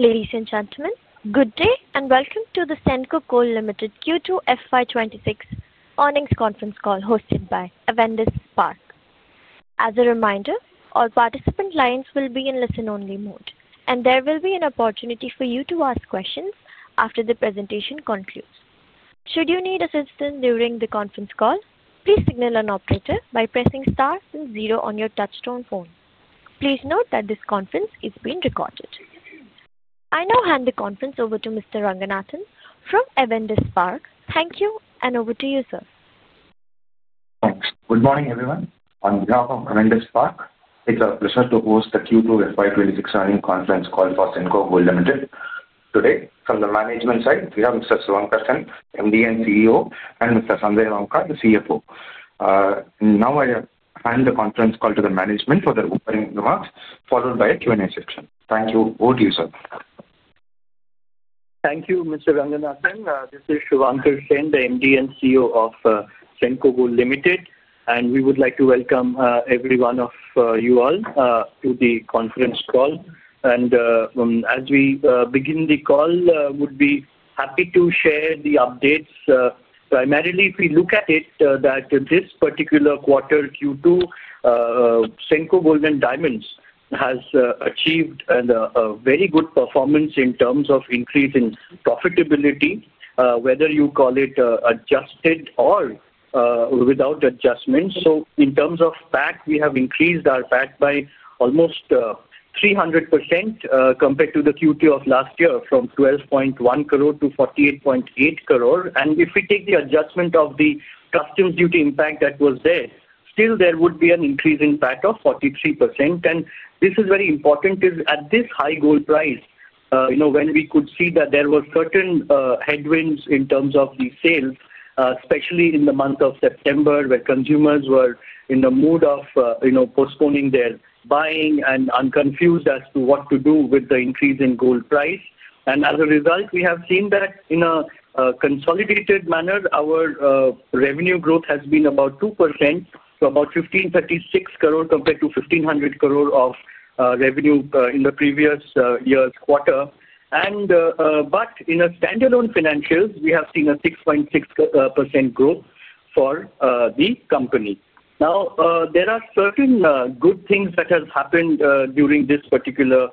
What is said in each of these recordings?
Ladies and gentlemen, good day and welcome to the Senco Gold Limited Q2 FY26 earnings conference call hosted by Avendus Spark. As a reminder, all participant lines will be in listen-only mode, and there will be an opportunity for you to ask questions after the presentation concludes. Should you need assistance during the conference call, please signal an operator by pressing * and zero on your touchstone phone. Please note that this conference is being recorded. I now hand the conference over to Mr. Ranganathan from Avendus Spark. Thank you, and over to you, sir. Thanks. Good morning, everyone. On behalf of Avendus Spark, it's our pleasure to host the Q2 FY2026 earnings conference call for Senco Gold Limited today. From the management side, we have Mr. Suvankar Sen, MD and CEO, and Mr. Sanjay Banka, the CFO. Now, I hand the conference call to the management for the opening remarks, followed by a Q&A section. Thank you. Over to you, sir. Thank you, Mr. Ranganathan. This is Suvankar Sen, the MD and CEO of Senco Gold Limited, and we would like to welcome every one of you all to the conference call. As we begin the call, I would be happy to share the updates. Primarily, if we look at it, this particular quarter Q2, Senco Gold and Diamonds has achieved a very good performance in terms of increase in profitability, whether you call it adjusted or without adjustments. In terms of PAC, we have increased our PAC by almost 300% compared to the Q2 of last year, from 12.1 crore to 48.8 crore. If we take the adjustment of the customs duty impact that was there, still there would be an increase in PAC of 43%. This is very important because at this high gold price, when we could see that there were certain headwinds in terms of the sales, especially in the month of September, where consumers were in the mood of postponing their buying and confused as to what to do with the increase in gold price. As a result, we have seen that in a consolidated manner, our revenue growth has been about 2%, so about 1,536 crore compared to 1,500 crore of revenue in the previous year's quarter. In standalone financials, we have seen a 6.6% growth for the company. There are certain good things that have happened during this particular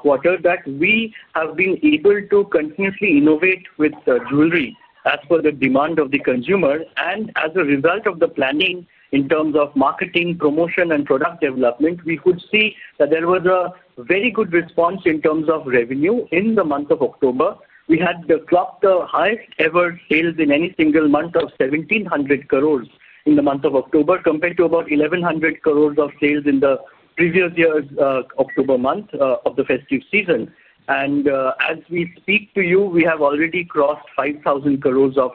quarter that we have been able to continuously innovate with jewelry as per the demand of the consumer. As a result of the planning in terms of marketing, promotion, and product development, we could see that there was a very good response in terms of revenue in the month of October. We had clocked the highest-ever sales in any single month of 1,700 crore in the month of October compared to about 1,100 crore of sales in the previous year's October month of the festive season. As we speak to you, we have already crossed 5,000 crore of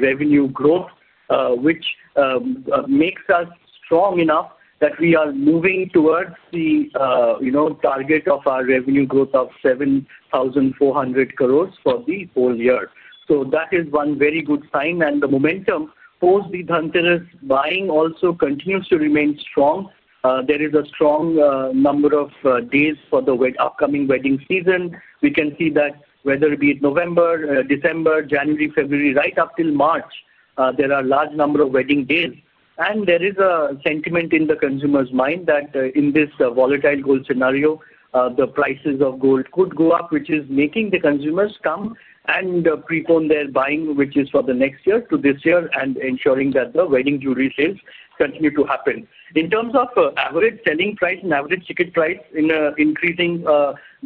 revenue growth, which makes us strong enough that we are moving towards the target of our revenue growth of 7,400 crore for the whole year. That is one very good sign. The momentum post-Dhanteras buying also continues to remain strong. There is a strong number of days for the upcoming wedding season. We can see that whether it be November, December, January, February, right up till March, there are a large number of wedding days. There is a sentiment in the consumer's mind that in this volatile gold scenario, the prices of gold could go up, which is making the consumers come and prepone their buying, which is for the next year to this year, and ensuring that the wedding jewelry sales continue to happen. In terms of average selling price and average ticket price in an increasing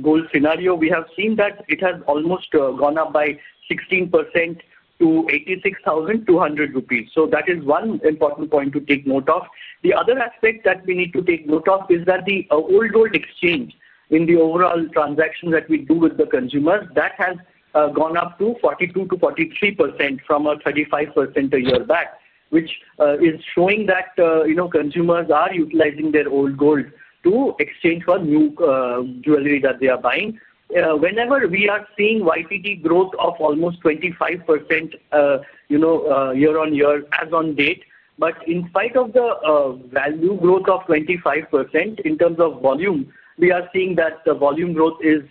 gold scenario, we have seen that it has almost gone up by 16% to 86,200 rupees. That is one important point to take note of. The other aspect that we need to take note of is that the old gold exchange in the overall transactions that we do with the consumers, that has gone up to 42%-43% from a 35% a year back, which is showing that consumers are utilizing their old gold to exchange for new jewelry that they are buying. Whenever we are seeing YTD growth of almost 25% year on year as on date, but in spite of the value growth of 25% in terms of volume, we are seeing that the volume growth is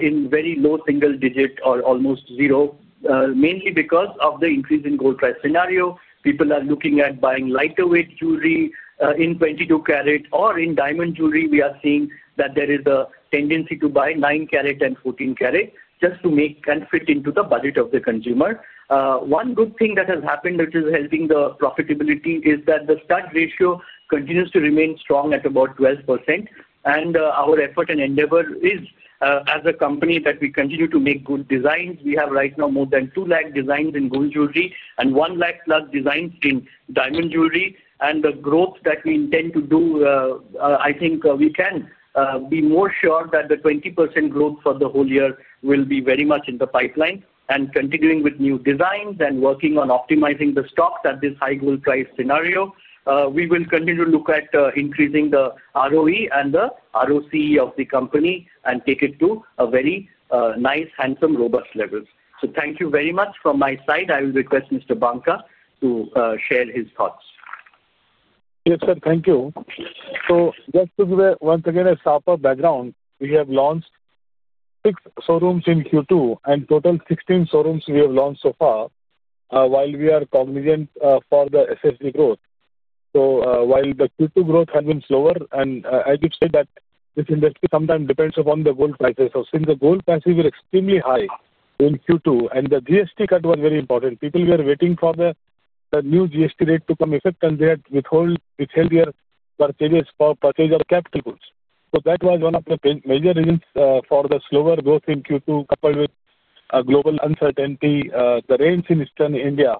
in very low single digit or almost zero, mainly because of the increase in gold price scenario. People are looking at buying lighter-weight jewelry in 22 karat, or in diamond jewelry, we are seeing that there is a tendency to buy 9 karat and 14 karat just to make and fit into the budget of the consumer. One good thing that has happened that is helping the profitability is that the stock ratio continues to remain strong at about 12%. Our effort and endeavor is, as a company, that we continue to make good designs. We have right now more than 200,000 designs in gold jewelry and 100,000 plus designs in diamond jewelry. The growth that we intend to do, I think we can be more sure that the 20% growth for the whole year will be very much in the pipeline. Continuing with new designs and working on optimizing the stock at this high gold price scenario, we will continue to look at increasing the ROE and the ROC of the company and take it to a very nice, handsome, robust level. Thank you very much. From my side, I will request Mr. Banka to share his thoughts. Yes, sir. Thank you. Just to give once again a sharper background, we have launched six showrooms in Q2 and a total of 16 showrooms we have launched so far while we are cognizant for the SSG growth. While the Q2 growth has been slower, and as you said, this industry sometimes depends upon the gold prices. Since the gold prices were extremely high in Q2 and the GST cut was very important, people were waiting for the new GST rate to come into effect, and they had withheld their purchases for purchase of capital goods. That was one of the major reasons for the slower growth in Q2, coupled with global uncertainty, the rains in Eastern India.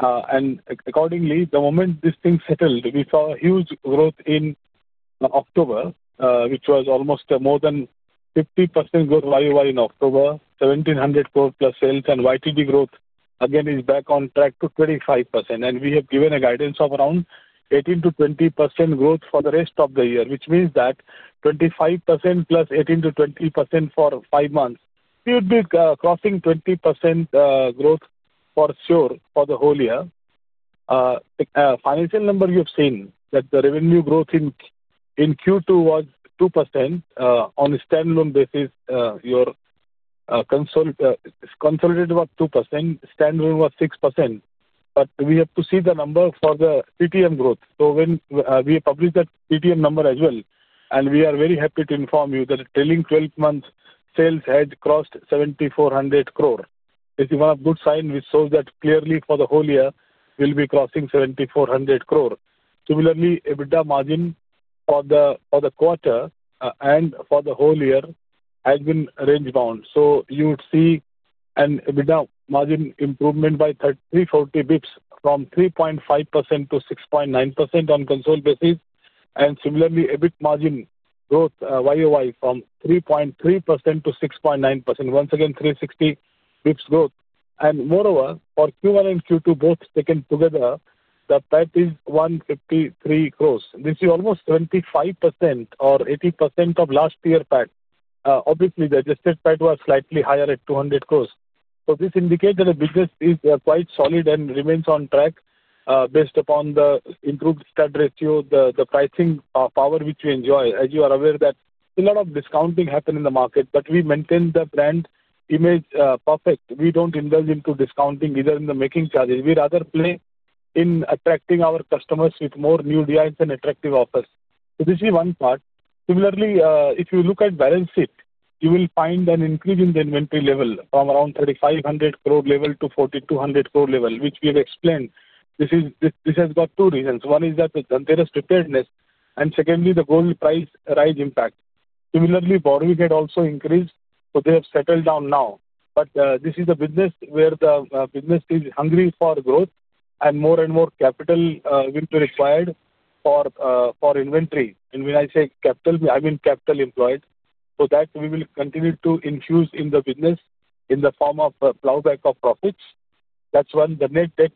Accordingly, the moment this thing settled, we saw huge growth in October, which was almost more than 50% growth value in October, 1,700 crore plus sales, and YTD growth again is back on track to 25%. We have given a guidance of around 18%-20% growth for the rest of the year, which means that 25% plus 18%-20% for five months, we would be crossing 20% growth for sure for the whole year. Financial number you've seen that the revenue growth in Q2 was 2% on a standalone basis. Your consolidated was 2%, standalone was 6%. We have to see the number for the TTM growth. When we published that TTM number as well, we are very happy to inform you that the trailing 12 months sales had crossed 7,400 crore. This is one of good signs which shows that clearly for the whole year, we'll be crossing 7,400 crore. Similarly, EBITDA margin for the quarter and for the whole year has been range bound. You would see an EBITDA margin improvement by 340 basis points from 3.5% to 6.9% on consolidated basis. Similarly, EBIT margin growth year over year from 3.3% to 6.9%, once again 360 basis points growth. Moreover, for Q1 and Q2 both taken together, the PAT is 153 crore. This is almost 25% or 80% of last year's PAT. Obviously, the adjusted PAT was slightly higher at 2,000,000,000. This indicates that the business is quite solid and remains on track based upon the improved stock ratio, the pricing power which we enjoy. As you are aware, there's a lot of discounting happening in the market, but we maintain the brand image perfect. We don't indulge into discounting either in the making charges. We rather play in attracting our customers with more new deals and attractive offers. This is one part. Similarly, if you look at balance sheet, you will find an increase in the inventory level from around 35,000,000,000 level to 42,000,000,000 level, which we have explained. This has got two reasons. One is that there is preparedness, and secondly, the gold price rise impact. Similarly, borrowing had also increased, so they have settled down now. This is a business where the business is hungry for growth and more and more capital will be required for inventory. When I say capital, I mean capital employed. We will continue to infuse in the business in the form of a plowback of profits. That is when the net debt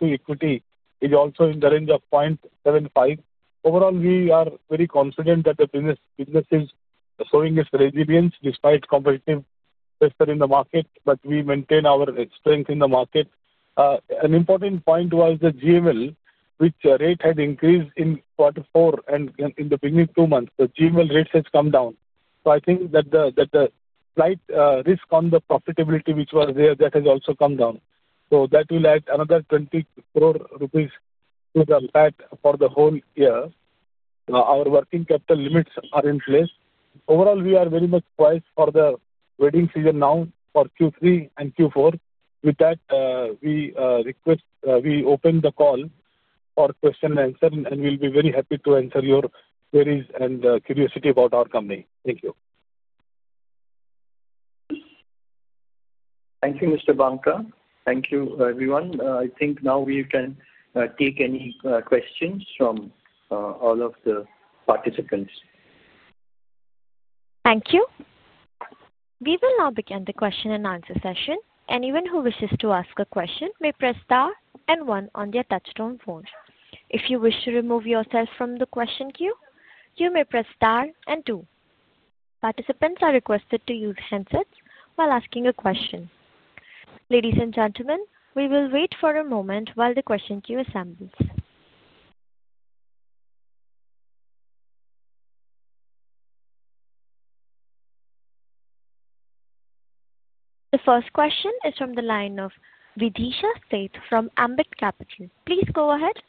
to equity is also in the range of 0.75. Overall, we are very confident that the business is showing its resilience despite competitive pressure in the market, and we maintain our strength in the market. An important point was the GML, which rate had increased in quarter four and in the beginning two months. The GML rates have come down. I think that the slight risk on the profitability which was there, that has also come down. That will add another 20 crore rupees to the PAT for the whole year. Our working capital limits are in place. Overall, we are very much poised for the wedding season now for Q3 and Q4. With that, we request, we open the call for question and answer, and we will be very happy to answer your queries and curiosity about our company. Thank you. Thank you, Mr. Banka. Thank you, everyone. I think now we can take any questions from all of the participants. Thank you. We will now begin the question and answer session. Anyone who wishes to ask a question may press star and one on their touchstone phone. If you wish to remove yourself from the question queue, you may press * and two. Participants are requested to use handsets while asking a question. Ladies and gentlemen, we will wait for a moment while the question queue assembles. The first question is from the line of Vidisha Seth from Ambit Capital. Please go ahead.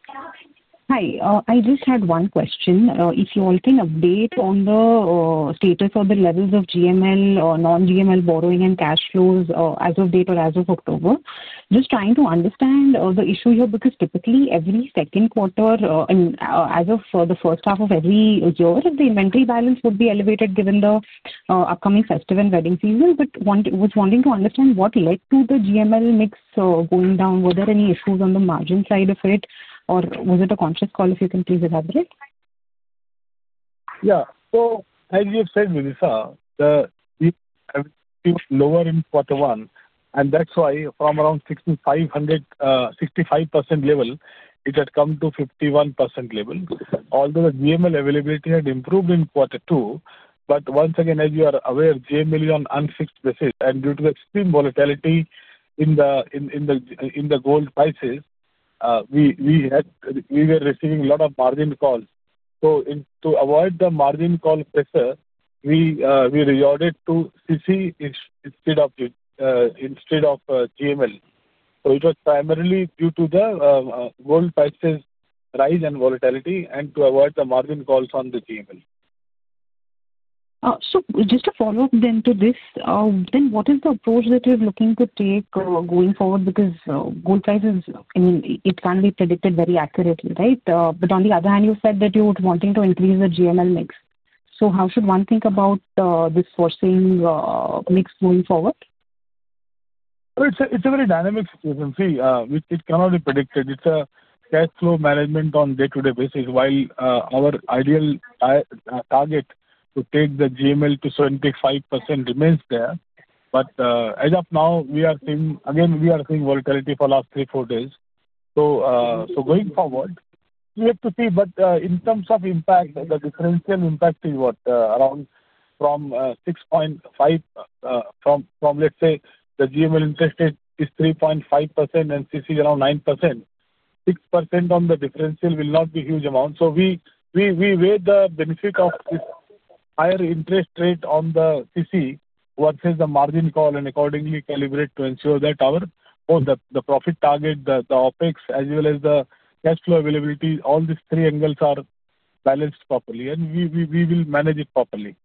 Hi. I just had one question. If you all can update on the status of the levels of GML or non-GML borrowing and cash flows as of date or as of October. Just trying to understand the issue here because typically every second quarter, as of the first half of every year, the inventory balance would be elevated given the upcoming festive and wedding season. I was wanting to understand what led to the GML mix going down. Were there any issues on the margin side of it, or was it a conscious call if you can please elaborate? Yeah. As you said, Vidisha, the lower in quarter one, and that's why from around 65% level, it had come to 51% level. Although the GML availability had improved in quarter two, but once again, as you are aware, GML is on unfixed basis. Due to the extreme volatility in the gold prices, we were receiving a lot of margin calls. To avoid the margin call pressure, we resorted to CC instead of GML. It was primarily due to the gold prices rise and volatility and to avoid the margin calls on the GML. Just to follow up then to this, then what is the approach that you're looking to take going forward? Because gold prices, I mean, it can be predicted very accurately, right? But on the other hand, you said that you were wanting to increase the GML mix. How should one think about this forcing mix going forward? It's a very dynamic situation. See, it cannot be predicted. It's a cash flow management on day-to-day basis. While our ideal target to take the GML to 75% remains there, as of now, we are seeing, again, we are seeing volatility for the last three-four days. Going forward, we have to see. In terms of impact, the differential impact is what? Around from 6.5, from let's say the GML interest rate is 3.5% and CC is around 9%. 6% on the differential will not be a huge amount. We weigh the benefit of this higher interest rate on the CC versus the margin call and accordingly calibrate to ensure that our both the profit target, the OpEx, as well as the cash flow availability, all these three angles are balanced properly. We will manage it properly.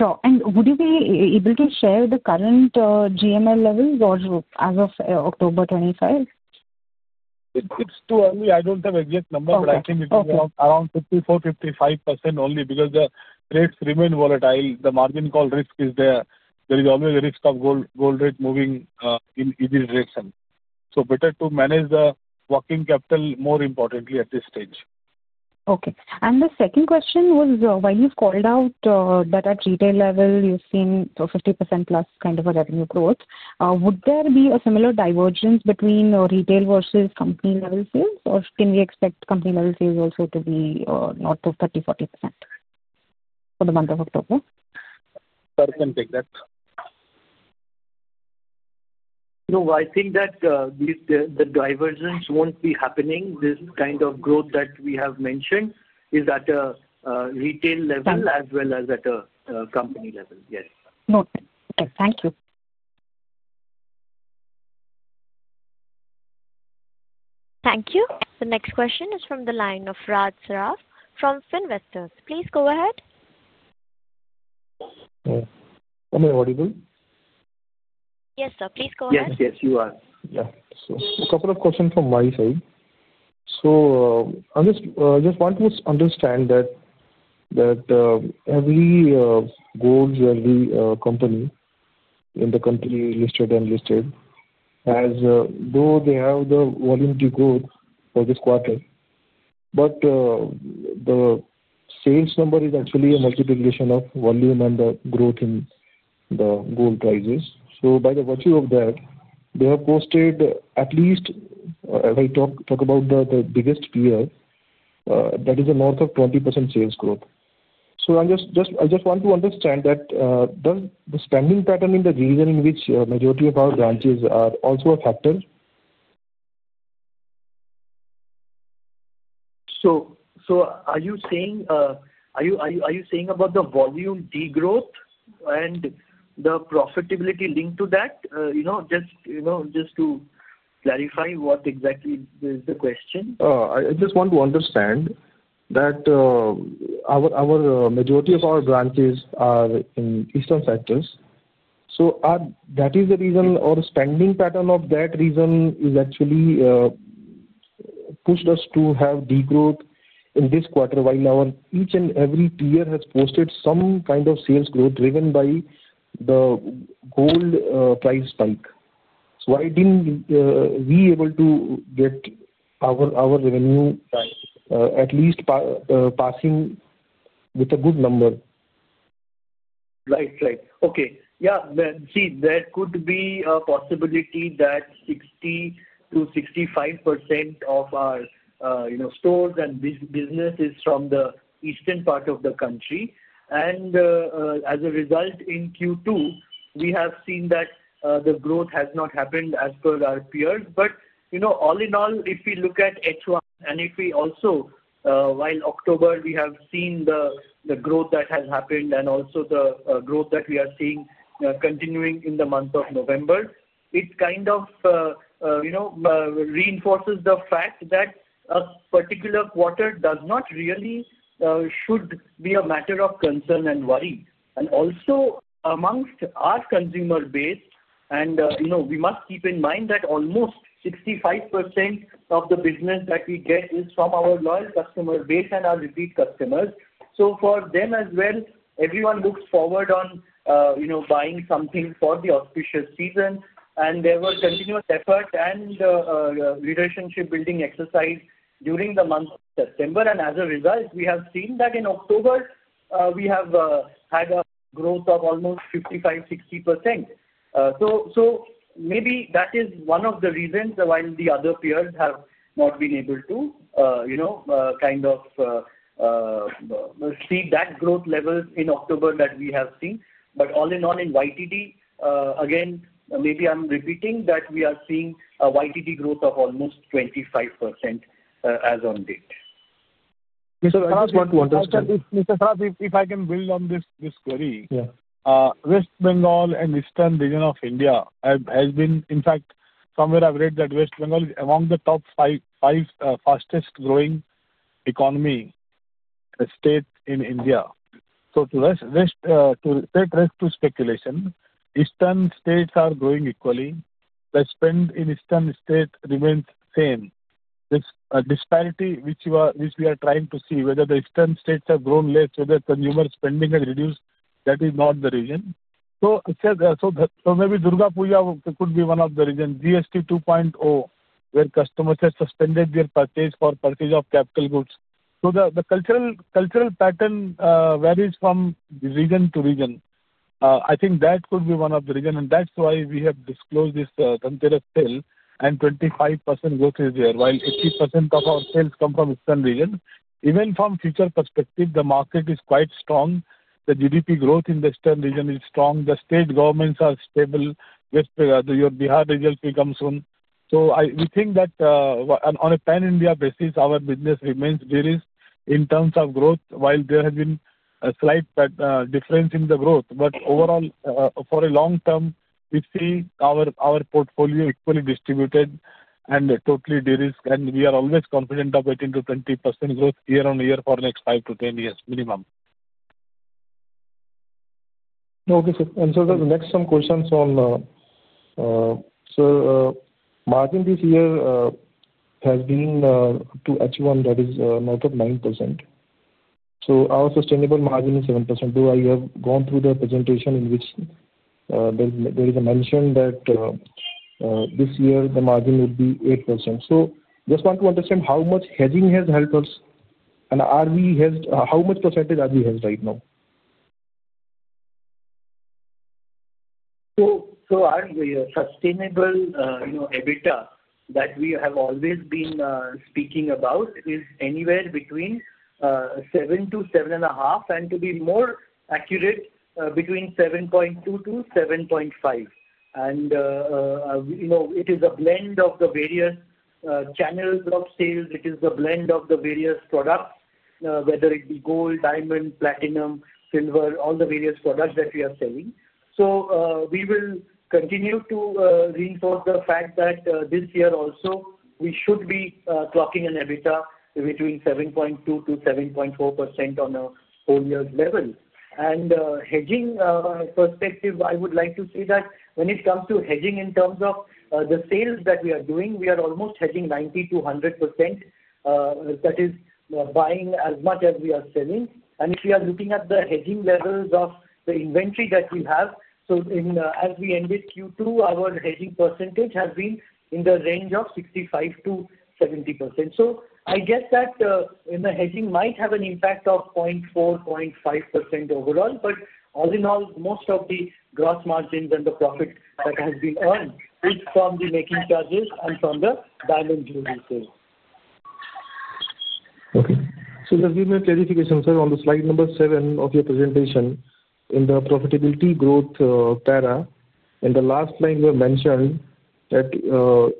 Sure. Would you be able to share the current GML levels as of October 25? It's too early. I don't have exact number, but I think it is around 54%-55% only because the rates remain volatile. The margin call risk is there. There is always a risk of gold rate moving in either direction. So better to manage the working capital more importantly at this stage. Okay. The second question was when you've called out that at retail level, you've seen 50% plus kind of a revenue growth. Would there be a similar divergence between retail versus company-level sales, or can we expect company-level sales also to be north of 30%-40% for the month of October? Percent exact. No, I think that the divergence won't be happening. This kind of growth that we have mentioned is at a retail level as well as at a company level. Yes. Noted. Okay. Thank you. Thank you. The next question is from the line of Raj Saraf from FinVectors. Please go ahead. Am i Audible? Yes, sir. Please go ahead. Yes, yes, you are. Yeah. A couple of questions from my side. I just want to understand that every company in the company listed and listed has, though they have the voluntary growth for this quarter, but the sales number is actually a multiplication of volume and the growth in the gold prices. By the virtue of that, they have posted at least, as I talk about the biggest year, that is a north of 20% sales growth. I just want to understand that the spending pattern in the region in which a majority of our branches are also a factor. Are you saying about the volume degrowth and the profitability linked to that? Just to clarify what exactly is the question. I just want to understand that our majority of our branches are in eastern sectors. That is the reason or the spending pattern of that region is actually pushed us to have degrowth in this quarter while our each and every tier has posted some kind of sales growth driven by the gold price spike. Why did not we be able to get our revenue at least passing with a good number? Right, right. Okay. Yeah. See, there could be a possibility that 60%-65% of our stores and business is from the eastern part of the country. As a result, in Q2, we have seen that the growth has not happened as per our peers. All in all, if we look at H1 and if we also, while October, we have seen the growth that has happened and also the growth that we are seeing continuing in the month of November, it kind of reinforces the fact that a particular quarter does not really should be a matter of concern and worry. Also, amongst our consumer base, and we must keep in mind that almost 65% of the business that we get is from our loyal customer base and our repeat customers. For them as well, everyone looks forward on buying something for the auspicious season. There were continuous efforts and relationship-building exercises during the month of September. As a result, we have seen that in October, we have had a growth of almost 55%-60%. Maybe that is one of the reasons why the other peers have not been able to kind of see that growth level in October that we have seen. All in all, in YTD, again, maybe I am repeating that we are seeing a YTD growth of almost 25% as of date. Mr. Saraf, if I can build on this query, West Bengal and eastern region of India has been, in fact, somewhere I've read that West Bengal is among the top five fastest growing economy states in India. To set risk to speculation, eastern states are growing equally. The spend in eastern states remains same. This disparity which we are trying to see, whether the eastern states have grown less, whether consumer spending has reduced, that is not the reason. Maybe Durga Puja could be one of the reasons. GST 2.0, where customers have suspended their purchase for purchase of capital goods. The cultural pattern varies from region to region. I think that could be one of the reasons. That is why we have disclosed this Sanjay Banka sale. 25% growth is there, while 80% of our sales come from eastern region. Even from future perspective, the market is quite strong. The GDP growth in the eastern region is strong. The state governments are stable. Your Bihar results will come soon. We think that on a pan-India basis, our business remains de-risked in terms of growth, while there has been a slight difference in the growth. Overall, for the long term, we see our portfolio equally distributed and totally de-risked. We are always confident of 18%-20% growth year on year for the next 5-10 years minimum. Okay, sir. The next some questions on, sir, margin this year has been to H1, that is north of 9%. Our sustainable margin is 7%. Though I have gone through the presentation in which there is a mention that this year the margin would be 8%. Just want to understand how much hedging has helped us, and how much percentage NRV has right now? Our sustainable EBITDA that we have always been speaking about is anywhere between 7% to 7.5%, and to be more accurate, between 7.2% to 7.5%. It is a blend of the various channels of sales. It is the blend of the various products, whether it be gold, diamond, platinum, silver, all the various products that we are selling. We will continue to reinforce the fact that this year also we should be clocking an EBITDA between 7.2% to 7.4% on a whole year's level. From a hedging perspective, I would like to say that when it comes to hedging in terms of the sales that we are doing, we are almost hedging 90% to 100%. That is buying as much as we are selling. If we are looking at the hedging levels of the inventory that we have, as we ended Q2, our hedging percentage has been in the range of 65%-70%. I guess that in the hedging might have an impact of 0.4%, 0.5% overall, but all in all, most of the gross margins and the profit that has been earned is from the making charges and from the diamond jewelry sales. Okay. So just give me a clarification, sir, on the slide number seven of your presentation in the profitability growth para. In the last line, you have mentioned that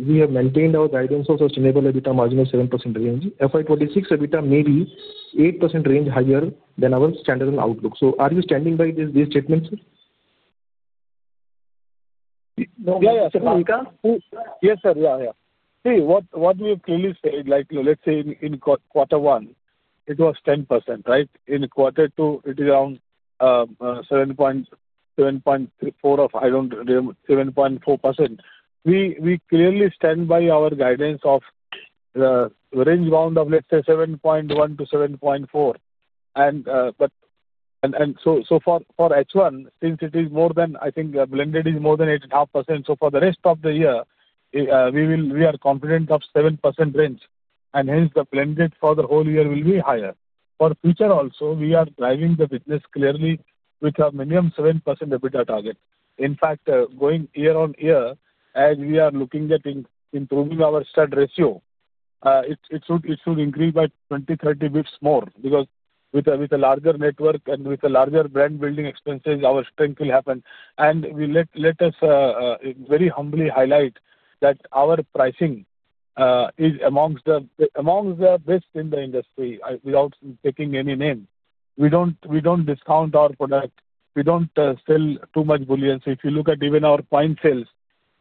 we have maintained our guidance of sustainable EBITDA margin of 7% range. FY2026, EBITDA may be 8% range higher than our standalone outlook. So are you standing by these statements, sir? Yeah, yeah. Yes, sir. Yeah, yeah. See, what we have clearly said, like let's say in quarter one, it was 10%, right? In quarter two, it is around 7.4%. We clearly stand by our guidance of the range bound of, let's say, 7.1%-7.4%. For H1, since it is more than, I think, blended is more than 8.5%, for the rest of the year, we are confident of 7% range. Hence, the blended for the whole year will be higher. For future also, we are driving the business clearly with a minimum 7% EBITDA target. In fact, going year on year, as we are looking at improving our STAR ratio, it should increase by 20-30 basis points more because with a larger network and with larger brand building expenses, our strength will happen. Let us very humbly highlight that our pricing is amongst the best in the industry without taking any name. We do not discount our product. We do not sell too much bullion. If you look at even our point sales,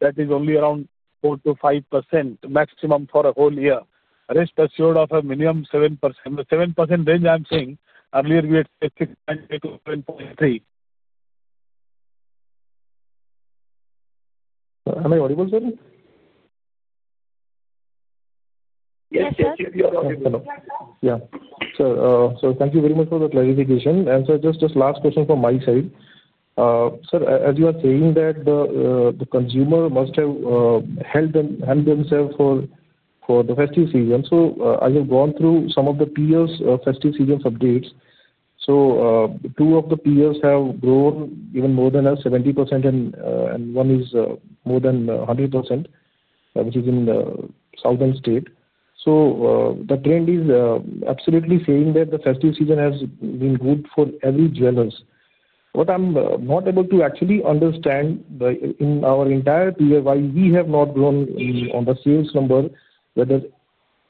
that is only around 4%-5% maximum for a whole year. Rest assured of a minimum 7%. The 7% range I am saying, earlier we had 6.8%-7.3%. Am I audible, sir? Yes, yes, you are audible. Yeah. Sir, so thank you very much for the clarification. Sir, just last question from my side. Sir, as you are saying that the consumer must have held themselves for the festive season. I have gone through some of the peers' festive season updates. Two of the peers have grown even more than 70%, and one is more than 100%, which is in the southern state. The trend is absolutely saying that the festive season has been good for every jeweler. What I'm not able to actually understand in our entire tier is why we have not grown on the sales number, whether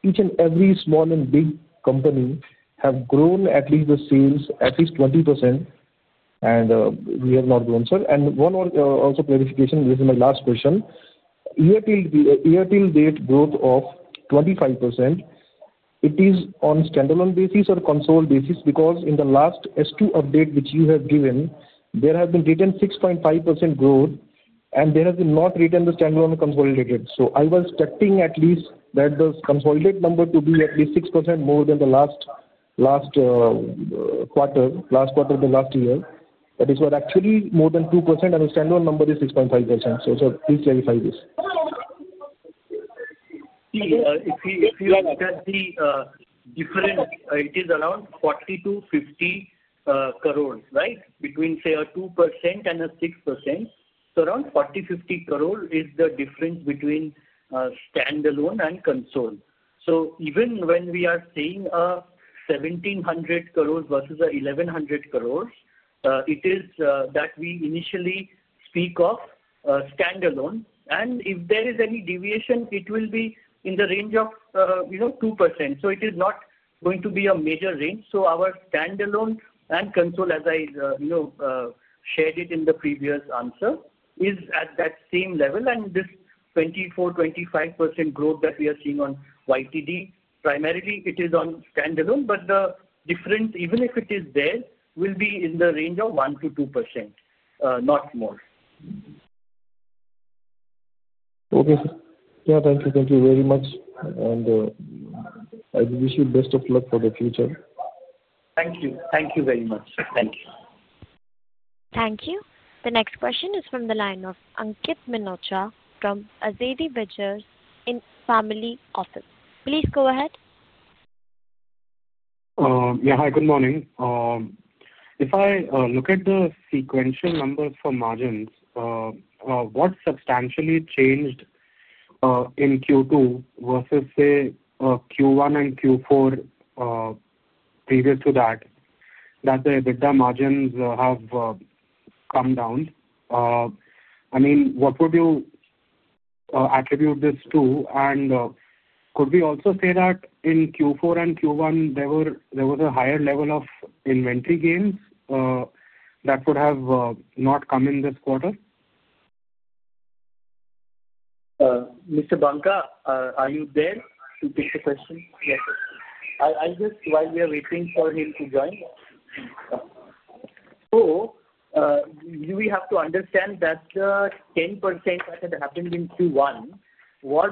each and every small and big company have grown at least the sales at least 20%, and we have not grown, sir. One more also clarification, this is my last question. Year-to-date growth of 25%, it is on standalone basis or consolidated basis? Because in the last S2 update which you have given, there has been written 6.5% growth, and there has been not written the standalone consolidated. I was expecting at least that the consolidated number to be at least 6% more than the last quarter, last quarter of the last year. That is what actually more than 2%, and the standalone number is 6.5%. Please clarify this. If you look at the difference, it is around 40%-50% crores, right? Between say a 2% and a 6%. So around 40%-50% crore is the difference between standalone and consol. Even when we are saying 1,700 crores versus 1,100 crores, it is that we initially speak of standalone. If there is any deviation, it will be in the range of 2%. It is not going to be a major range. Our standalone and consol, as I shared in the previous answer, is at that same level. This 24%-25% growth that we are seeing on YTD, primarily it is on standalone, but the difference, even if it is there, will be in the range of 1%-2%, not more. Okay, sir. Yeah, thank you. Thank you very much. I wish you best of luck for the future. Thank you. Thank you very much. Thank you. Thank you. The next question is from the line of Ankit Minocha from Azadi Bridgers Family Office. Please go ahead. Yeah, hi. Good morning. If I look at the sequential numbers for margins, what substantially changed in Q2 versus say Q1 and Q4 previous to that, that the EBITDA margins have come down? I mean, what would you attribute this to? Could we also say that in Q4 and Q1, there was a higher level of inventory gains that would have not come in this quarter? Mr. Banka, are you there to take the question? I'll just, while we are waiting for him to join. We have to understand that the 10% that had happened in Q1 was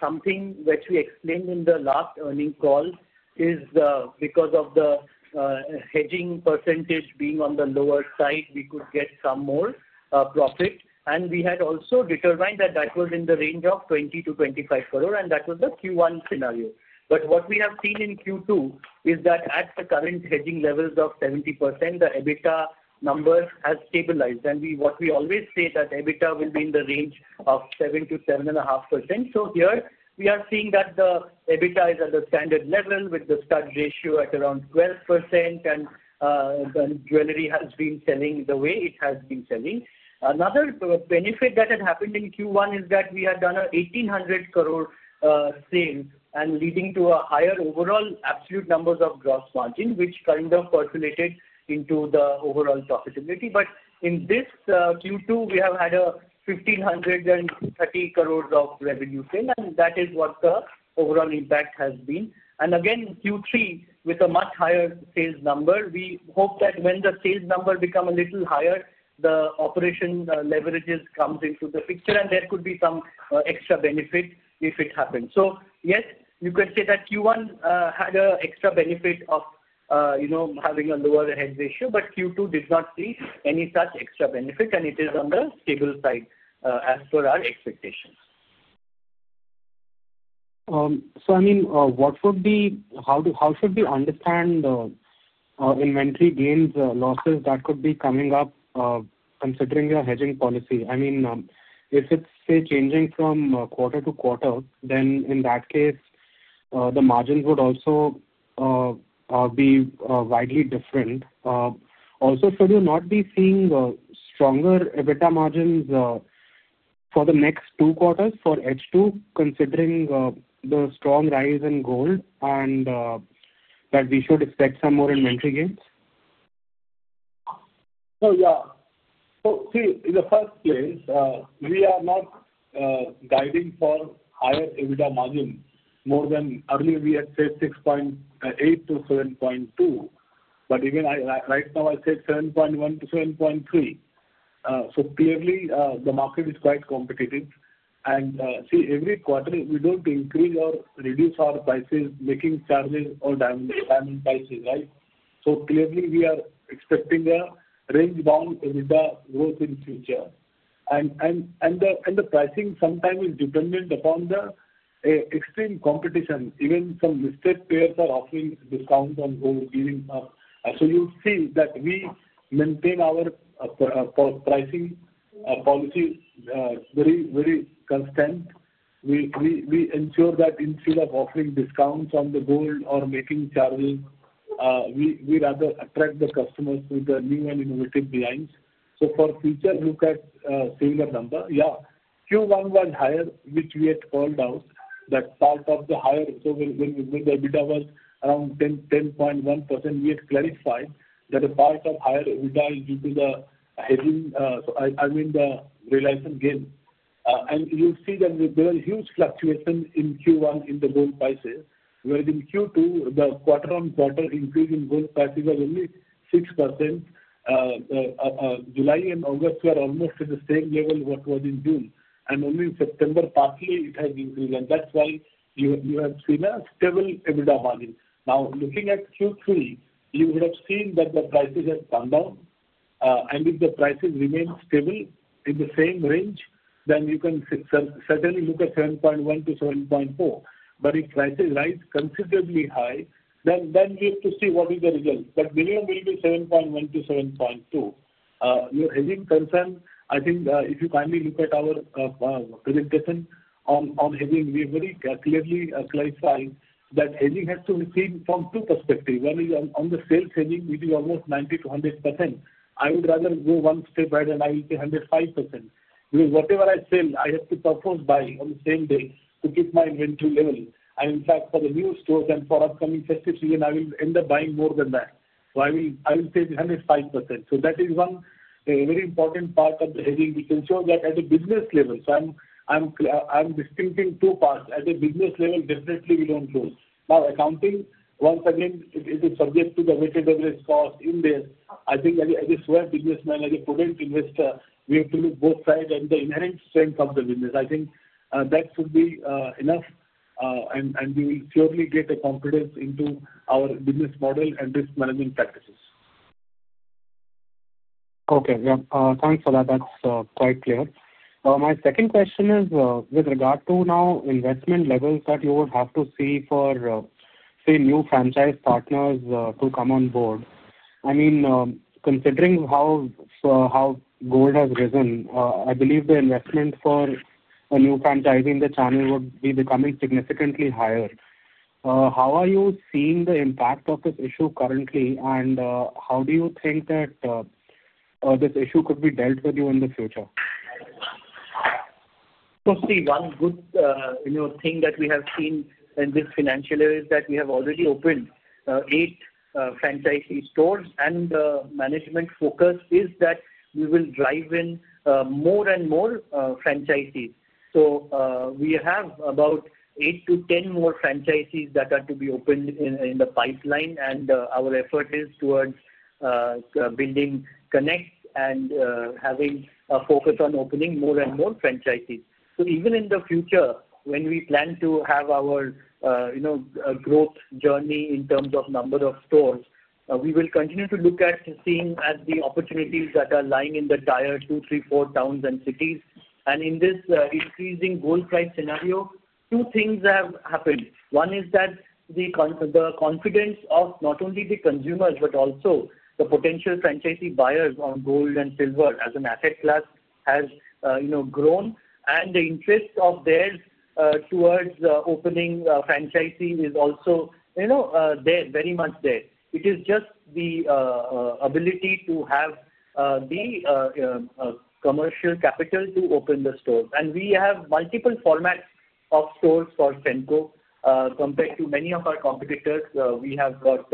something which we explained in the last earnings call is because of the hedging percentage being on the lower side, we could get some more profit. We had also determined that that was in the range of 20%-25% corrol, and that was the Q1 scenario. What we have seen in Q2 is that at the current hedging levels of 70%, the EBITDA number has stabilized. What we always say is that EBITDA will be in the range of 7%-7.5%. Here, we are seeing that the EBITDA is at the standard level with the STAR ratio at around 12%, and the jewelry has been selling the way it has been selling. Another benefit that had happened in Q1 is that we had done a 1,800 crore sale and leading to a higher overall absolute numbers of gross margin, which kind of percolated into the overall profitability. In this Q2, we have had a 1,530 crores of revenue sale, and that is what the overall impact has been. Again, Q3 with a much higher sales number, we hope that when the sales number becomes a little higher, the operation leverages come into the picture, and there could be some extra benefit if it happens. Yes, you could say that Q1 had an extra benefit of having a lower hedge ratio, but Q2 did not see any such extra benefit, and it is on the stable side as per our expectations. I mean, what would be, how should we understand the inventory gains losses that could be coming up considering your hedging policy? I mean, if it's, say, changing from quarter to quarter, then in that case, the margins would also be widely different. Also, should we not be seeing stronger EBITDA margins for the next two quarters for H2 considering the strong rise in gold, and that we should expect some more inventory gains? Yeah. See, in the first place, we are not guiding for higher EBITDA margin more than earlier we had said 6.8%-7.2%. Even right now, I said 7.1%-7.3%. Clearly, the market is quite competitive. Every quarter, we do not increase or reduce our prices, making charges, or diamond prices, right? Clearly, we are expecting a range bound EBITDA growth in the future. The pricing sometimes is dependent upon the extreme competition. Even some listed players are offering discounts on gold. You see that we maintain our pricing policy very, very constant. We ensure that instead of offering discounts on the gold or making charges, we rather attract the customers with the new and innovative lines. For future, look at similar number. Q1 was higher, which we had called out that part of the higher. When the EBITDA was around 10.1%, we had clarified that a part of higher EBITDA is due to the hedging, I mean, the realization gain. You see that there was huge fluctuation in Q1 in the gold prices, whereas in Q2, the quarter-on-quarter increase in gold prices was only 6%. July and August were almost at the same level as what was in June. Only in September, partially, it has increased. That is why you have seen a stable EBITDA margin. Now, looking at Q3, you would have seen that the prices had come down. If the prices remain stable in the same range, then you can certainly look at 7.1%-7.4%. If prices rise considerably high, then we have to see what is the result. Minimum will be 7.1%-7.2%. Your hedging concern, I think if you kindly look at our presentation on hedging, we have very clearly clarified that hedging has to be seen from two perspectives. One is on the sales hedging, which is almost 90%-100%. I would rather go one step ahead, and I will say 105%. Because whatever I sell, I have to purpose buy on the same day to keep my inventory level. In fact, for the new stores and for upcoming festive season, I will end up buying more than that. I will say 105%. That is one very important part of the hedging. We can show that at a business level. I am distincting two parts. At a business level, definitely we do not growth. Now, accounting, once again, it is subject to the weighted average cost in there. I think as a SWAP businessman, as a prudent investor, we have to look both sides and the inherent strength of the business. I think that should be enough, and we will surely get a confidence into our business model and risk management practices. Okay. Yeah. Thanks for that. That's quite clear. My second question is with regard to now investment levels that you would have to see for, say, new franchise partners to come on board. I mean, considering how gold has risen, I believe the investment for a new franchisee in the channel would be becoming significantly higher. How are you seeing the impact of this issue currently, and how do you think that this issue could be dealt with in the future? See, one good thing that we have seen in this financial year is that we have already opened eight franchisee stores, and the management focus is that we will drive in more and more franchisees. We have about 8-10 more franchisees that are to be opened in the pipeline, and our effort is towards building connect and having a focus on opening more and more franchisees. Even in the future, when we plan to have our growth journey in terms of number of stores, we will continue to look at seeing at the opportunities that are lying in the tier two, three, four towns and cities. In this increasing gold price scenario, two things have happened. One is that the confidence of not only the consumers, but also the potential franchisee buyers on gold and silver as an asset class has grown, and the interest of theirs towards opening franchisees is also there, very much there. It is just the ability to have the commercial capital to open the stores. We have multiple formats of stores for Senco compared to many of our competitors. We have got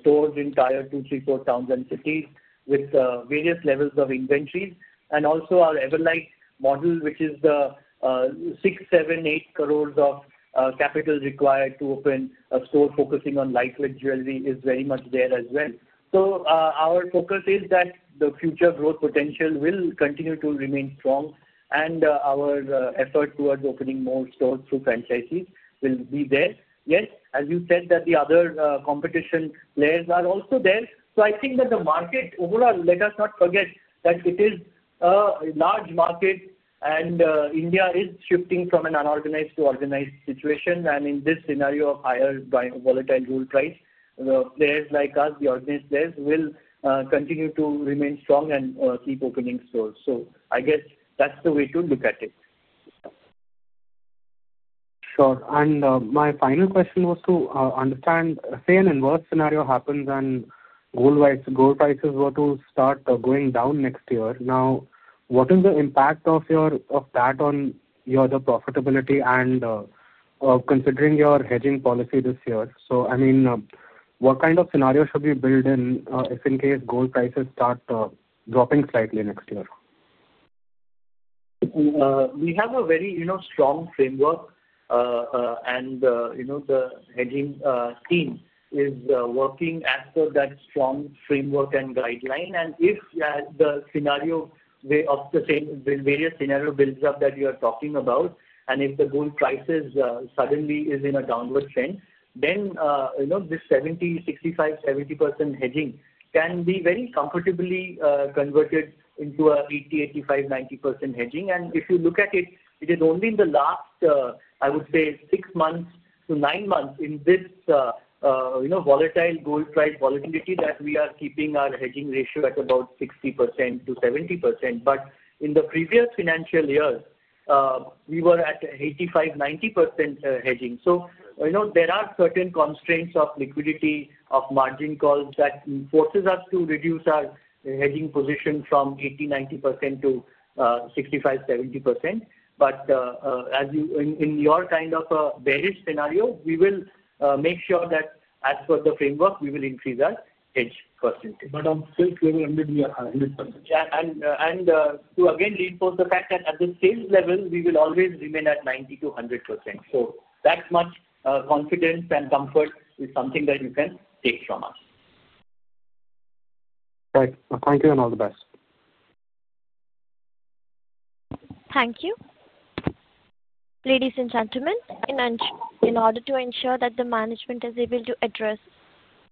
stores in tier two, three, four towns and cities with various levels of inventories. Also, our Everlight model, which is the 6-8 crore of capital required to open a store focusing on lightweight jewelry, is very much there as well. Our focus is that the future growth potential will continue to remain strong, and our effort towards opening more stores through franchisees will be there. Yes, as you said, that the other competition players are also there. I think that the market overall, let us not forget that it is a large market, and India is shifting from an unorganized to organized situation. In this scenario of higher volatile gold price, players like us, the organized players, will continue to remain strong and keep opening stores. I guess that's the way to look at it. Sure. My final question was to understand, say an inverse scenario happens and gold prices were to start going down next year. What is the impact of that on your profitability and considering your hedging policy this year? I mean, what kind of scenario should we build in if in case gold prices start dropping slightly next year? We have a very strong framework, and the hedging team is working as per that strong framework and guideline. If the scenario of the same various scenario builds up that you are talking about, and if the gold prices suddenly are in a downward trend, then this 70%, 65%, 70% hedging can be very comfortably converted into an 80%, 85%, 90% hedging. If you look at it, it is only in the last, I would say, six months to nine months in this volatile gold price volatility that we are keeping our hedging ratio at about 60% to 70%. In the previous financial year, we were at 85%, 90% hedging. There are certain constraints of liquidity of margin calls that forces us to reduce our hedging position from 80%, 90% to 65%, 70%. In your kind of a bearish scenario, we will make sure that as per the framework, we will increase our hedge percentage. On sales level, 100%. Yeah. To again reinforce the fact that at the sales level, we will always remain at 90%-100%. That much confidence and comfort is something that you can take from us. Right. Thank you and all the best. Thank you. Ladies and gentlemen, in order to ensure that the management is able to address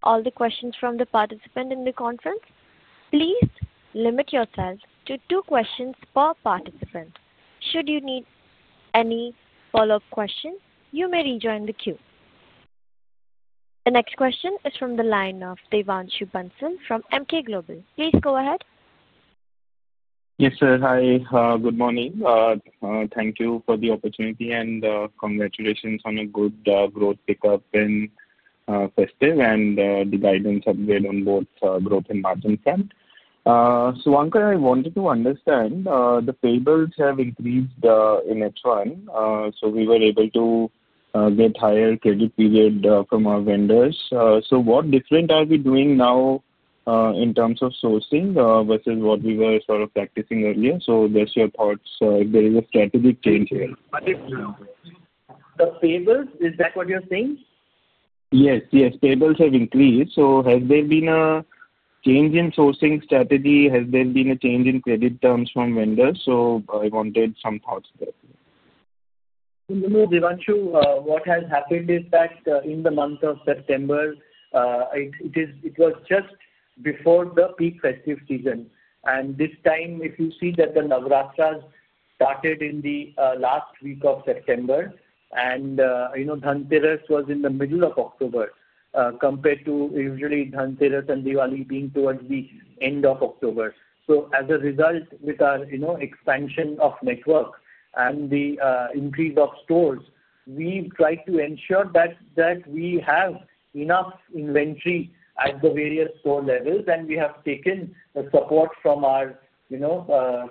all the questions from the participants in the conference, please limit yourself to two questions per participant. Should you need any follow-up questions, you may rejoin the queue. The next question is from the line of Devanshu Bansal from Emkay Global. Please go ahead. Yes, sir. Hi. Good morning. Thank you for the opportunity and congratulations on a good growth pickup in festive and the guidance update on both growth and margin front. Suvankar, I wanted to understand the payables have increased in H1, so we were able to get higher credit period from our vendors. What different are we doing now in terms of sourcing versus what we were sort of practicing earlier? Just your thoughts if there is a strategic change here. The payables, is that what you're saying? Yes. Yes. Payables have increased. Has there been a change in sourcing strategy? Has there been a change in credit terms from vendors? I wanted some thoughts there. Devanshu, what has happened is that in the month of September, it was just before the peak festive season. This time, if you see that the Navratras started in the last week of September, and Dhantirus was in the middle of October compared to usually Dhantirus and Diwali being towards the end of October. As a result, with our expansion of network and the increase of stores, we've tried to ensure that we have enough inventory at the various store levels, and we have taken the support from our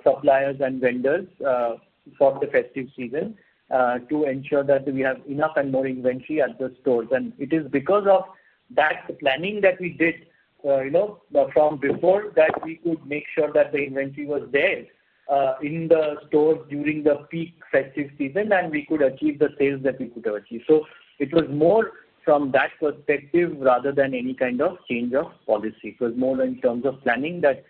suppliers and vendors for the festive season to ensure that we have enough and more inventory at the stores. It is because of that planning that we did from before that we could make sure that the inventory was there in the stores during the peak festive season, and we could achieve the sales that we could have achieved. It was more from that perspective rather than any kind of change of policy. It was more in terms of planning; that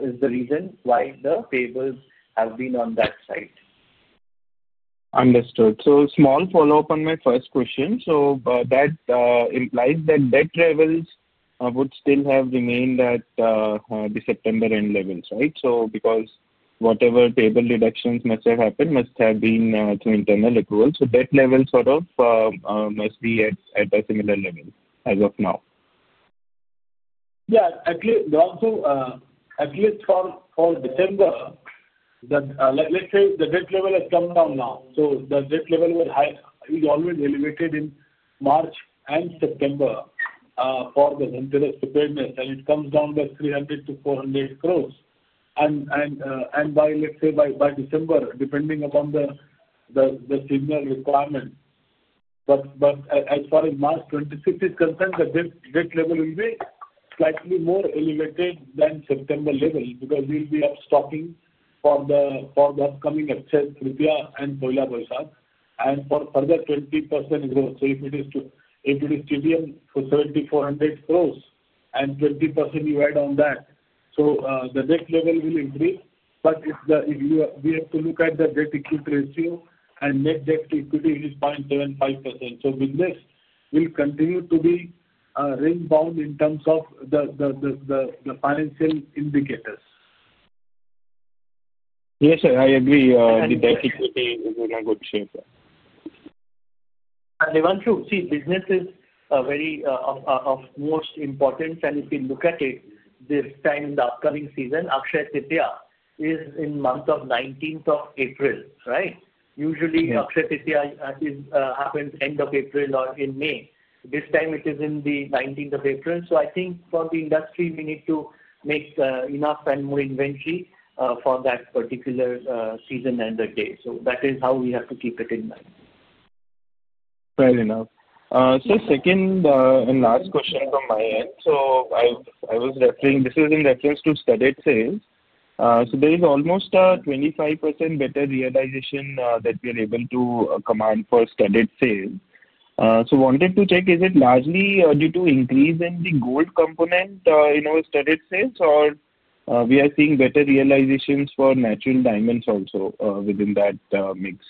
is the reason why the payables have been on that side. Understood. Small follow-up on my first question. That implies that debt levels would still have remained at the September end levels, right? Because whatever payable deductions must have happened must have been to internal approval. Debt level sort of must be at a similar level as of now. Yeah. At least for December, let's say the debt level has come down now. The debt level is always elevated in March and September for the Dhanteras preparedness, and it comes down by 300-400 crore. Let's say by December, depending upon the signal requirement. As far as March 26 is concerned, the debt level will be slightly more elevated than the September level because we'll be stocking for the upcoming Akshay Tritiya and Poila Boishakh and for further 20% growth. If it is TTM for 7,400 crore and 20% you add on that, the debt level will increase. We have to look at the debt-equity ratio, and net debt-equity is 0.75%. With this, we'll continue to be ring-bound in terms of the financial indicators. Yes, sir. I agree with that equity share. Devanshu, see, business is very of most importance. If you look at it this time in the upcoming season, Akshay Rupiah is in month of 19th of April, right? Usually, Akshay Rupiah happens end of April or in May. This time, it is in the 19th of April. I think for the industry, we need to make enough and more inventory for that particular season and the day. That is how we have to keep it in mind. Fair enough. Second and last question from my end. This is in reference to studded sales. There is almost a 25% better realization that we are able to command for studded sales. I wanted to check, is it largely due to increase in the gold component in studded sales, or are we seeing better realizations for natural diamonds also within that mix?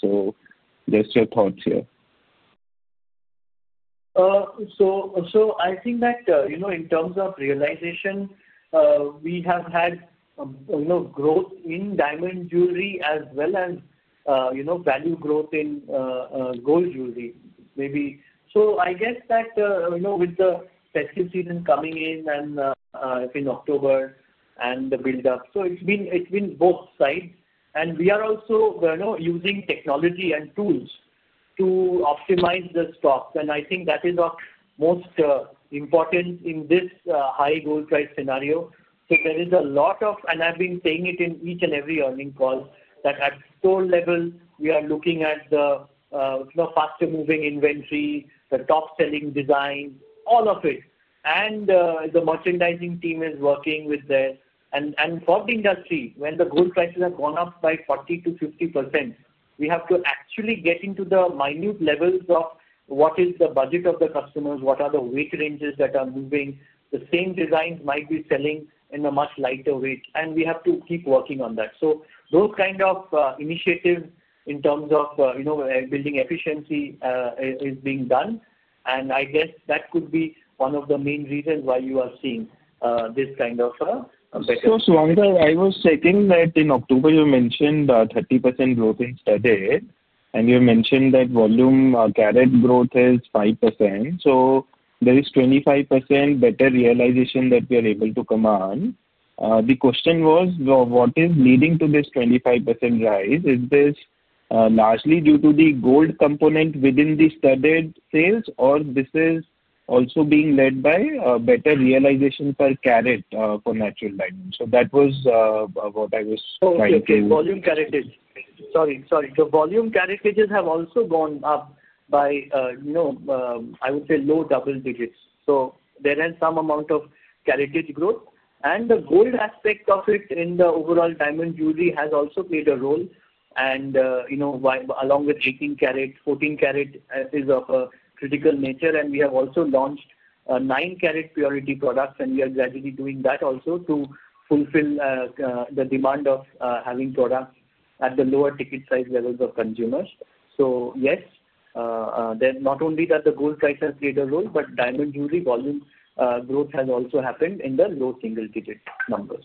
Just your thoughts here. I think that in terms of realization, we have had growth in diamond jewelry as well as value growth in gold jewelry. I guess that with the festive season coming in and in October and the build-up, it has been both sides. We are also using technology and tools to optimize the stock. I think that is of most importance in this high gold price scenario. There is a lot of, and I have been saying it in each and every earnings call, that at store level, we are looking at the faster-moving inventory, the top-selling design, all of it. The merchandising team is working with that. For the industry, when the gold prices have gone up by 40%-50%, we have to actually get into the minute levels of what is the budget of the customers, what are the weight ranges that are moving. The same designs might be selling in a much lighter weight, and we have to keep working on that. Those kind of initiatives in terms of building efficiency are being done. I guess that could be one of the main reasons why you are seeing this kind of better. Suvankar, I was checking that in October, you mentioned 30% growth in studded, and you mentioned that volume carried growth is 5%. There is 25% better realization that we are able to command. The question was, what is leading to this 25% rise? Is this largely due to the gold component within the studded sales, or is this also being led by better realization per carat for natural diamonds? That was what I was trying to. The volume carriages have also gone up by, I would say, low double digits. There is some amount of carriage growth. The gold aspect of it in the overall diamond jewelry has also played a role. Along with 18-carat, 14-carat is of a critical nature. We have also launched 9-carat purity products, and we are gradually doing that also to fulfill the demand of having products at the lower ticket size levels of consumers. Yes, not only has the gold price played a role, but diamond jewelry volume growth has also happened in the low single-digit numbers.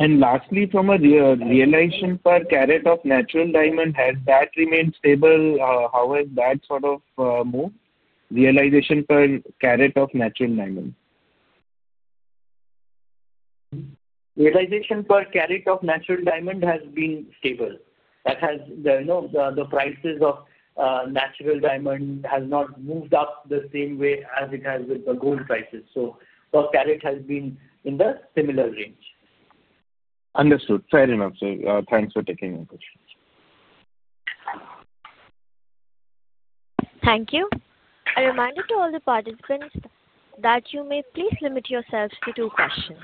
Lastly, from a realization per carat of natural diamond, has that remained stable? How has that sort of moved? Realization per carat of natural diamond. Realization per carat of natural diamond has been stable. That is, the prices of natural diamond have not moved up the same way as it has with the gold prices. So per carat has been in the similar range. Understood. Fair enough, sir. Thanks for taking my questions. Thank you. A reminder to all the participants that you may please limit yourselves to two questions.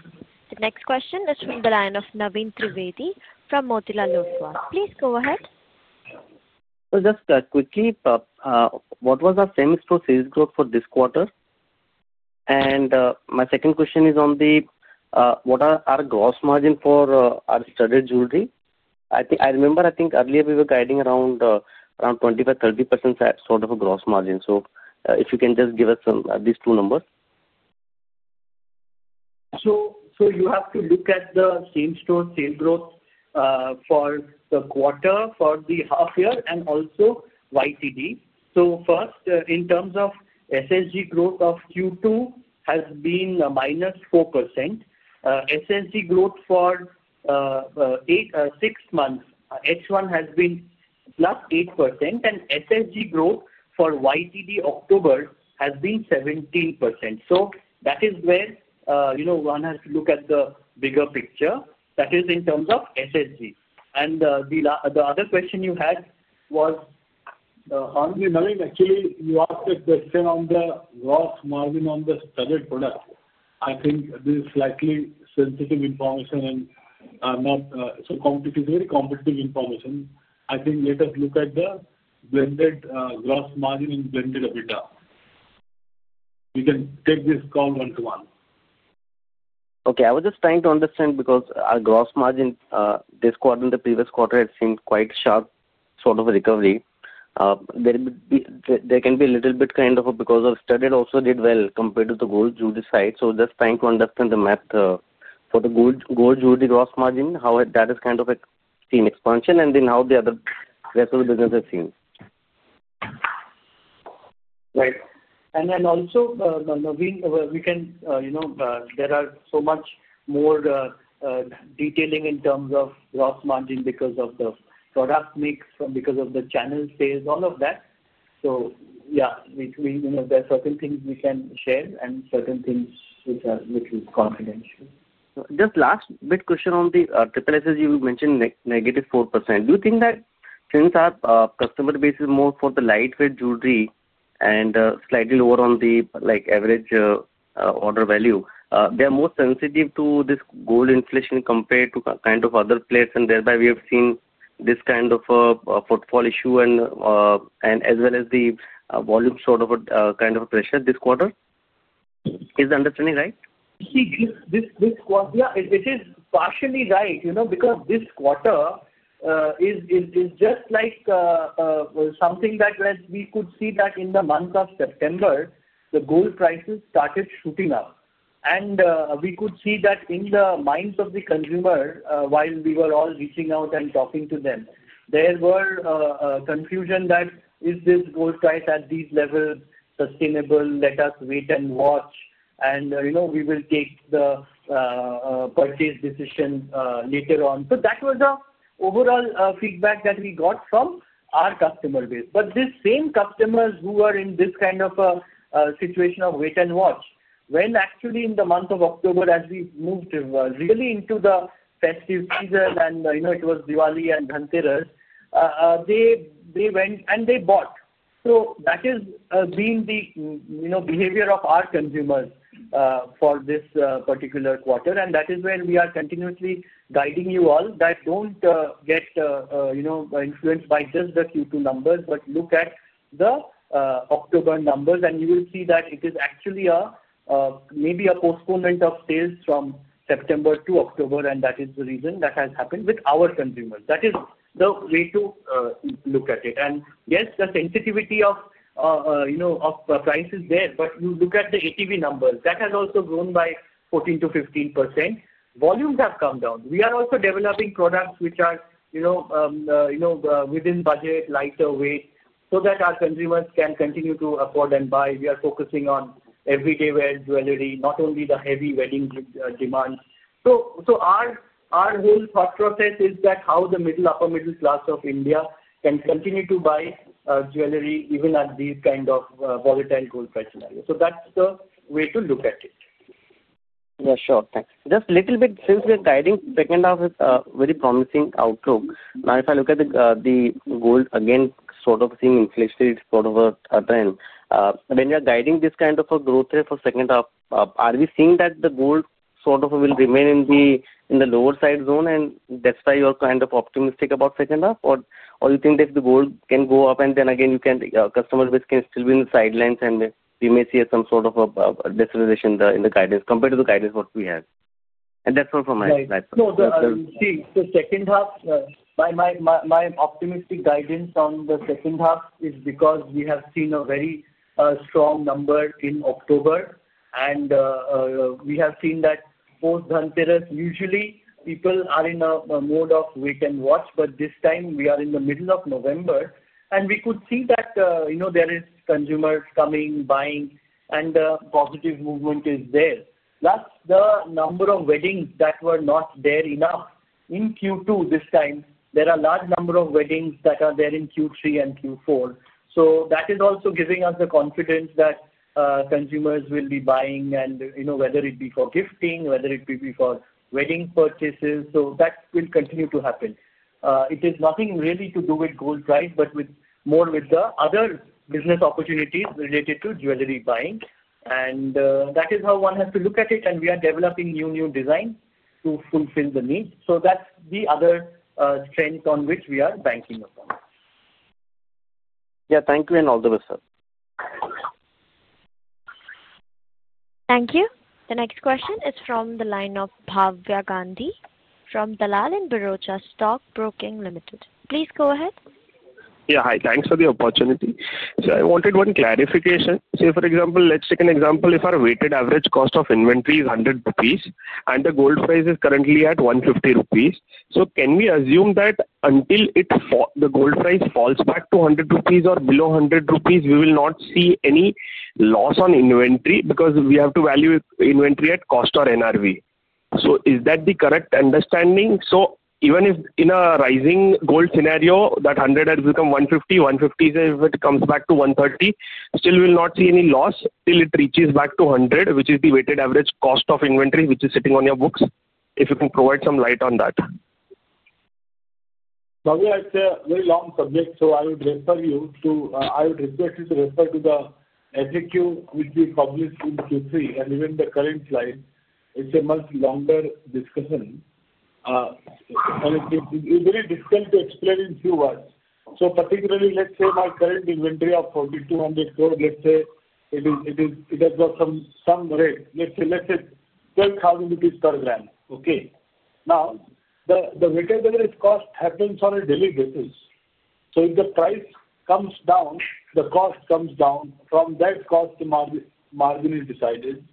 The next question is from the line of Naveen Trivedi from Motilal Oswal. Please go ahead. Just quickly, what was our same proceeds growth for this quarter? My second question is on what are our gross margin for our studded jewelry? I remember I think earlier we were guiding around 25%-30% sort of a gross margin. If you can just give us these two numbers. You have to look at the same store sale growth for the quarter, for the half year, and also YTD. First, in terms of SSG growth of Q2 has been -4%. SSG growth for six months, H1 has been +8%, and SSG growth for YTD October has been 17%. That is where one has to look at the bigger picture. That is in terms of SSG. The other question you had was. Only knowing, actually, you asked a question on the gross margin on the studded product. I think this is slightly sensitive information and not so competitive, very competitive information. I think let us look at the blended gross margin and blended EBITDA. We can take this call one to one. Okay. I was just trying to understand because our gross margin this quarter and the previous quarter has seen quite sharp sort of a recovery. There can be a little bit kind of because of studded also did well compared to the gold jewelry side. Just trying to understand the math for the gold jewelry gross margin, how that has kind of seen expansion, and then how the other vessel business has seen. Right. And then also we can, there is so much more detailing in terms of gross margin because of the product mix, because of the channel sales, all of that. Yeah, there are certain things we can share and certain things which are confidential. Just last bit question on the triple SSG, you mentioned negative 4%. Do you think that since our customer base is more for the lightweight jewelry and slightly lower on the average order value, they are more sensitive to this gold inflation compared to kind of other players? You know, thereby, we have seen this kind of a portfolio issue and as well as the volume sort of a kind of a pressure this quarter. Is the understanding right? See, this quarter, it is partially right because this quarter is just like something that we could see that in the month of September, the gold prices started shooting up. We could see that in the minds of the consumer while we were all reaching out and talking to them. There was confusion that is this gold price at these levels sustainable? Let us wait and watch, and we will take the purchase decision later on. That was the overall feedback that we got from our customer base. These same customers who are in this kind of a situation of wait and watch, when actually in the month of October, as we moved really into the festive season and it was Diwali and Dhantirus, they went and they bought. That has been the behavior of our consumers for this particular quarter. That is where we are continuously guiding you all that do not get influenced by just the Q2 numbers, but look at the October numbers, and you will see that it is actually maybe a postponement of sales from September to October, and that is the reason that has happened with our consumers. That is the way to look at it. Yes, the sensitivity of price is there, but you look at the ATV numbers. That has also grown by 14%-15%. Volumes have come down. We are also developing products which are within budget, lighter weight, so that our consumers can continue to afford and buy. We are focusing on everyday wear jewelry, not only the heavy wedding demands. Our whole thought process is that how the middle upper middle class of India can continue to buy jewelry even at these kind of volatile gold price scenarios. That's the way to look at it. Yeah, sure. Thanks. Just a little bit since we are guiding second half is a very promising outlook. Now, if I look at the gold, again, sort of seeing inflation sort of a trend, when you are guiding this kind of a growth rate for second half, are we seeing that the gold sort of will remain in the lower side zone, and that's why you are kind of optimistic about second half, or you think that the gold can go up and then again customer base can still be in the sidelines and we may see some sort of a destabilization in the guidance compared to the guidance what we have? That's all from my side. No, the second half, my optimistic guidance on the second half is because we have seen a very strong number in October, and we have seen that post-Dhanteras, usually people are in a mode of wait and watch, but this time we are in the middle of November, and we could see that there is consumers coming, buying, and the positive movement is there. Plus, the number of weddings that were not there enough in Q2 this time, there are a large number of weddings that are there in Q3 and Q4. That is also giving us the confidence that consumers will be buying, and whether it be for gifting, whether it be for wedding purchases, that will continue to happen. It is nothing really to do with gold price, but more with the other business opportunities related to jewelry buying. That is how one has to look at it, and we are developing new, new designs to fulfill the need. That is the other strength on which we are banking upon. Yeah, thank you and all the best, sir. Thank you. The next question is from the line of Bhavya Gandhi from Dalal & Broacha Stock Broking Limited. Please go ahead. Yeah, hi. Thanks for the opportunity. I wanted one clarification. Say, for example, let's take an example. If our weighted average cost of inventory is 100 rupees and the gold price is currently at 150 rupees, can we assume that until the gold price falls back to 100 rupees or below 100 rupees, we will not see any loss on inventory because we have to value inventory at cost or NRV? Is that the correct understanding? Even if in a rising gold scenario, that 100 has become 150, if it comes back to 130, still we will not see any loss till it reaches back to 100, which is the weighted average cost of inventory, which is sitting on your books. If you can provide some light on that. Bhavya, it's a very long subject, so I would request you to refer to the FAQ which we published in Q3, and even the current slide. It's a much longer discussion. It's very difficult to explain in few words. Particularly, let's say my current inventory of 4,200, let's say it has got some rate. Let's say 12,000 rupees per gram. Now, the weighted average cost happens on a daily basis. If the price comes down, the cost comes down. From that cost, the margin is decided.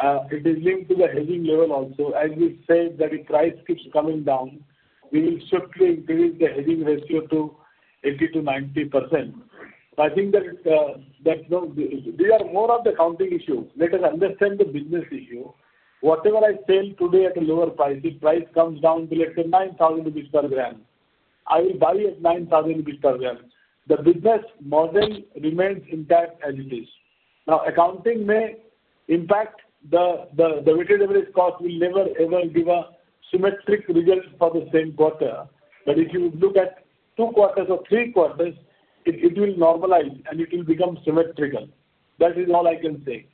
It is linked to the hedging level also. As we said, if price keeps coming down, we will swiftly increase the hedging ratio to 80%-90%. I think that we are more on the accounting issue. Let us understand the business issue. Whatever I sell today at a lower price, if price comes down to, let's say, 9,000 rupees per gram, I will buy at 9,000 rupees per gram. The business model remains intact as it is. Now, accounting may impact the weighted average cost; it will never ever give a symmetric result for the same quarter. If you look at two quarters or three quarters, it will normalize, and it will become symmetrical. That is all I can say.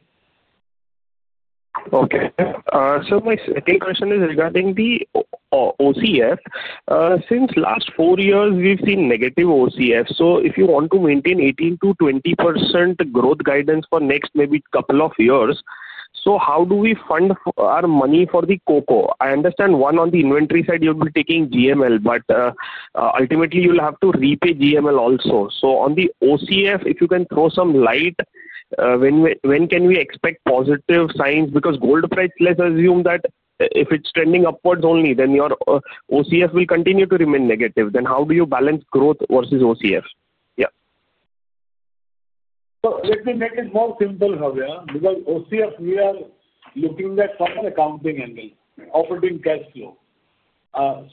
Okay. So my second question is regarding the OCF. Since last four years, we've seen negative OCF. If you want to maintain 18%-20% growth guidance for next maybe couple of years, how do we fund our money for the COCO? I understand one on the inventory side, you'll be taking GML, but ultimately, you'll have to repay GML also. On the OCF, if you can throw some light, when can we expect positive signs? Because gold price, let's assume that if it's trending upwards only, then your OCF will continue to remain negative. How do you balance growth versus OCF? Yeah. Let me make it more simple, Bhavya, because OCF, we are looking at from an accounting angle, operating cash flow.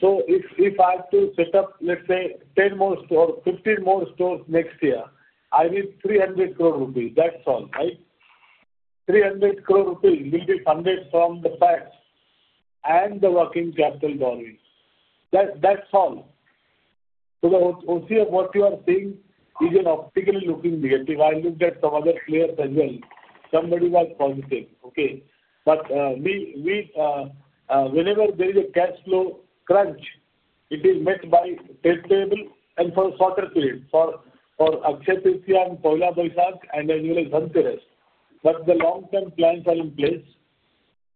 If I have to set up, let's say, 10 more stores or 15 more stores next year, I need 300 crore rupees. That's all, right? 300 crore rupees will be funded from the facts and the working capital drawing. That's all. The OCF, what you are seeing is an optically looking negative. I looked at some other players as well. Somebody was positive. Okay. Whenever there is a cash flow crunch, it is met by Tate Table and for a shorter period for Akshay Prithvi and Poila Boishakh and as well as Dhantirus. The long-term plans are in place.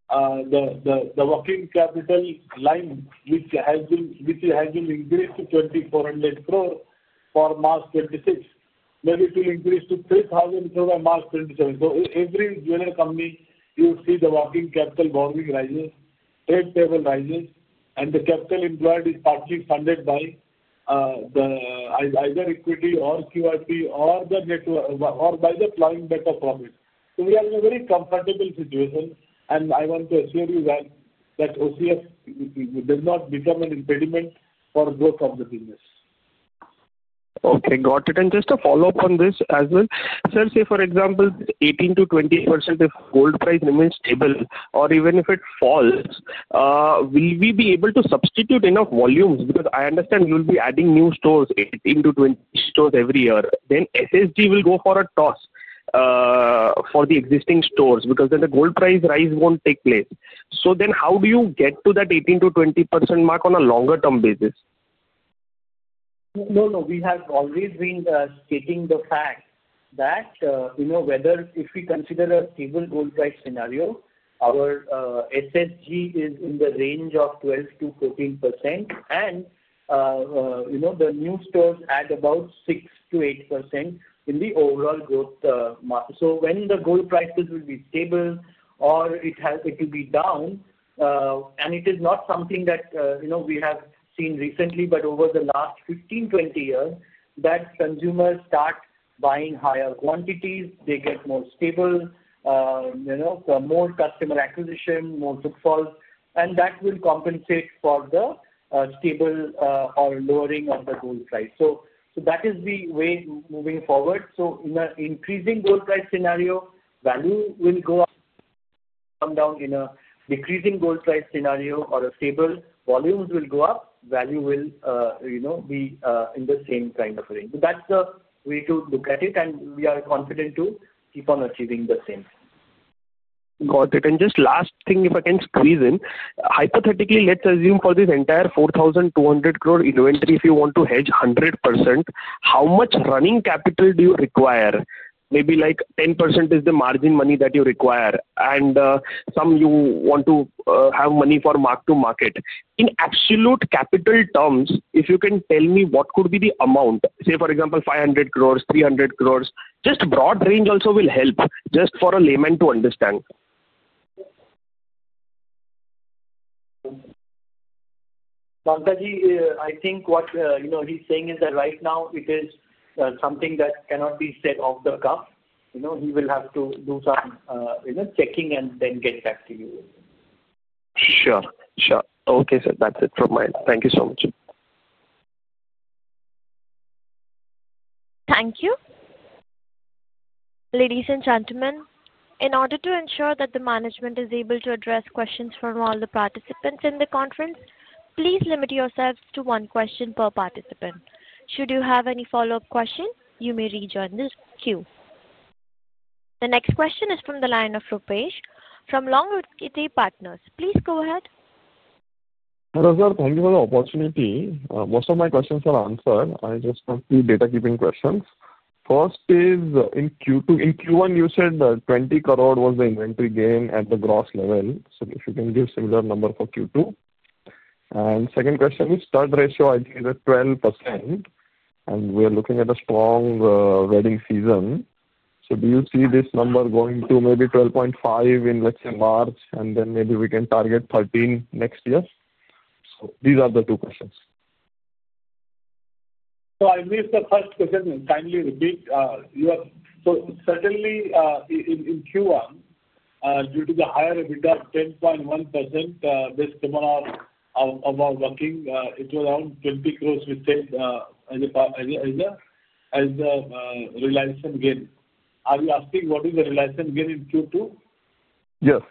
The working capital line, which has been increased to 2,400 crore for March 2026, maybe it will increase to 3,000 crore by March 2027. Every jeweler company, you see the working capital borrowing rises, table rises, and the capital employed is partly funded by either equity or QRP or by the plowing back of profit. We are in a very comfortable situation, and I want to assure you that OCF does not become an impediment for growth of the business. Okay. Got it. Just to follow up on this as well, sir, say for example, 18%-20% if gold price remains stable or even if it falls, will we be able to substitute enough volumes? Because I understand you'll be adding new stores, 18%-20% stores every year. SSG will go for a toss for the existing stores because then the gold price rise won't take place. How do you get to that 18%-20% mark on a longer-term basis? No, no. We have always been stating the fact that whether if we consider a stable gold price scenario, our SSG is in the range of 12%-14%, and the new stores add about 6%-8% in the overall growth mark. When the gold prices will be stable or it will be down, and it is not something that we have seen recently, but over the last 15, 20 years, consumers start buying higher quantities, they get more stable, more customer acquisition, more footfall, and that will compensate for the stable or lowering of the gold price. That is the way moving forward. In an increasing gold price scenario, value will go up. Come down in a decreasing gold price scenario or a stable, volumes will go up, value will be in the same kind of range. That's the way to look at it, and we are confident to keep on achieving the same. Got it. And just last thing, if I can squeeze in, hypothetically, let's assume for this entire 4,200 crore inventory, if you want to hedge 100%, how much running capital do you require? Maybe like 10% is the margin money that you require, and some you want to have money for mark-to-market. In absolute capital terms, if you can tell me what could be the amount, say for example, 500 crore, 300 crore, just broad range also will help just for a layman to understand. Bhavya ji, I think what he's saying is that right now it is something that cannot be said off the cuff. He will have to do some checking and then get back to you. Sure. Sure. Okay, sir. That's it from my end. Thank you so much. Thank you. Ladies and gentlemen, in order to ensure that the management is able to address questions from all the participants in the conference, please limit yourselves to one question per participant. Should you have any follow-up question, you may rejoin the queue. The next question is from the line of Rupesh from Longwood Capital Partners. Please go ahead. Hello sir, thank you for the opportunity. Most of my questions are answered. I just have two data-keeping questions. First is in Q2, in Q1, you said 20 crore was the inventory gain at the gross level. If you can give a similar number for Q2. My second question is, STAR ratio I think is at 12%, and we are looking at a strong wedding season. Do you see this number going to maybe 12.5% in, let's say, March, and then maybe we can target 13% next year? These are the two questions. I'll read the first question and kindly repeat. Certainly in Q1, due to the higher EBITDA of 10.1%, based upon our working, it was around 20 crore we said as a realization gain. Are you asking what is the realization gain in Q2? Yes.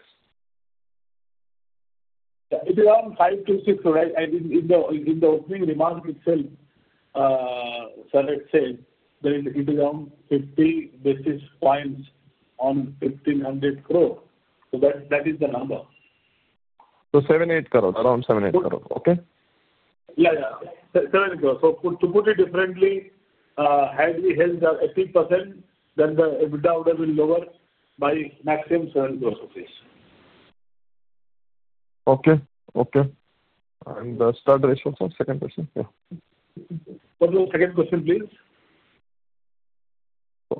It is around 5,260. In the opening remark itself, sir, it said that it is around 50 basis points on 1,500 crore. So that is the number. ₹7,800 crore, around ₹7,800 crore. Okay. Yeah, yeah. INR 7,800 crore. To put it differently, had we held at 80%, then the EBITDA would have been lower by maximum INR 7,800 crore. Okay. Okay. And the STAR ratio for second question? Yeah. What was the second question, please?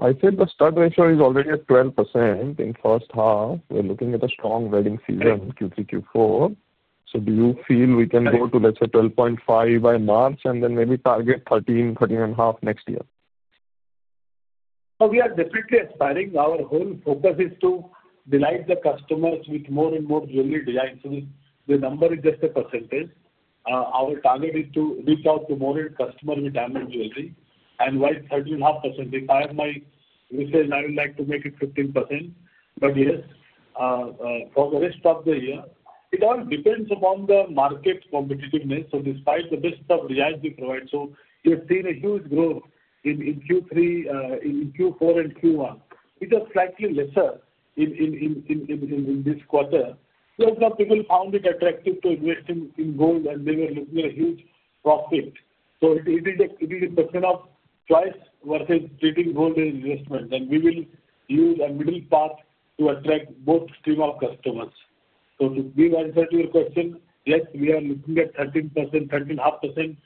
I said the STAR ratio is already at 12% in the first half. We're looking at a strong wedding season Q3, Q4. Do you feel we can go to, let's say, 12.5 by March and then maybe target 13,000-13,500 next year? We are definitely aspiring. Our whole focus is to delight the customers with more and more jewelry designs. So the number is just a percentage. Our target is to reach out to more customers with diamond jewelry and why 13,500 crore. If I have my results, I would like to make it 15%. But yes, for the rest of the year, it all depends upon the market competitiveness. Despite the best of the ads we provide, we have seen a huge growth in Q3, in Q4, and Q1. It was slightly lesser in this quarter. Plus, some people found it attractive to invest in gold, and they were looking at a huge profit. It is a percent of choice versus treating gold as an investment. We will use a middle path to attract both streams of customers. To answer your question, yes, we are looking at 13%, 13,500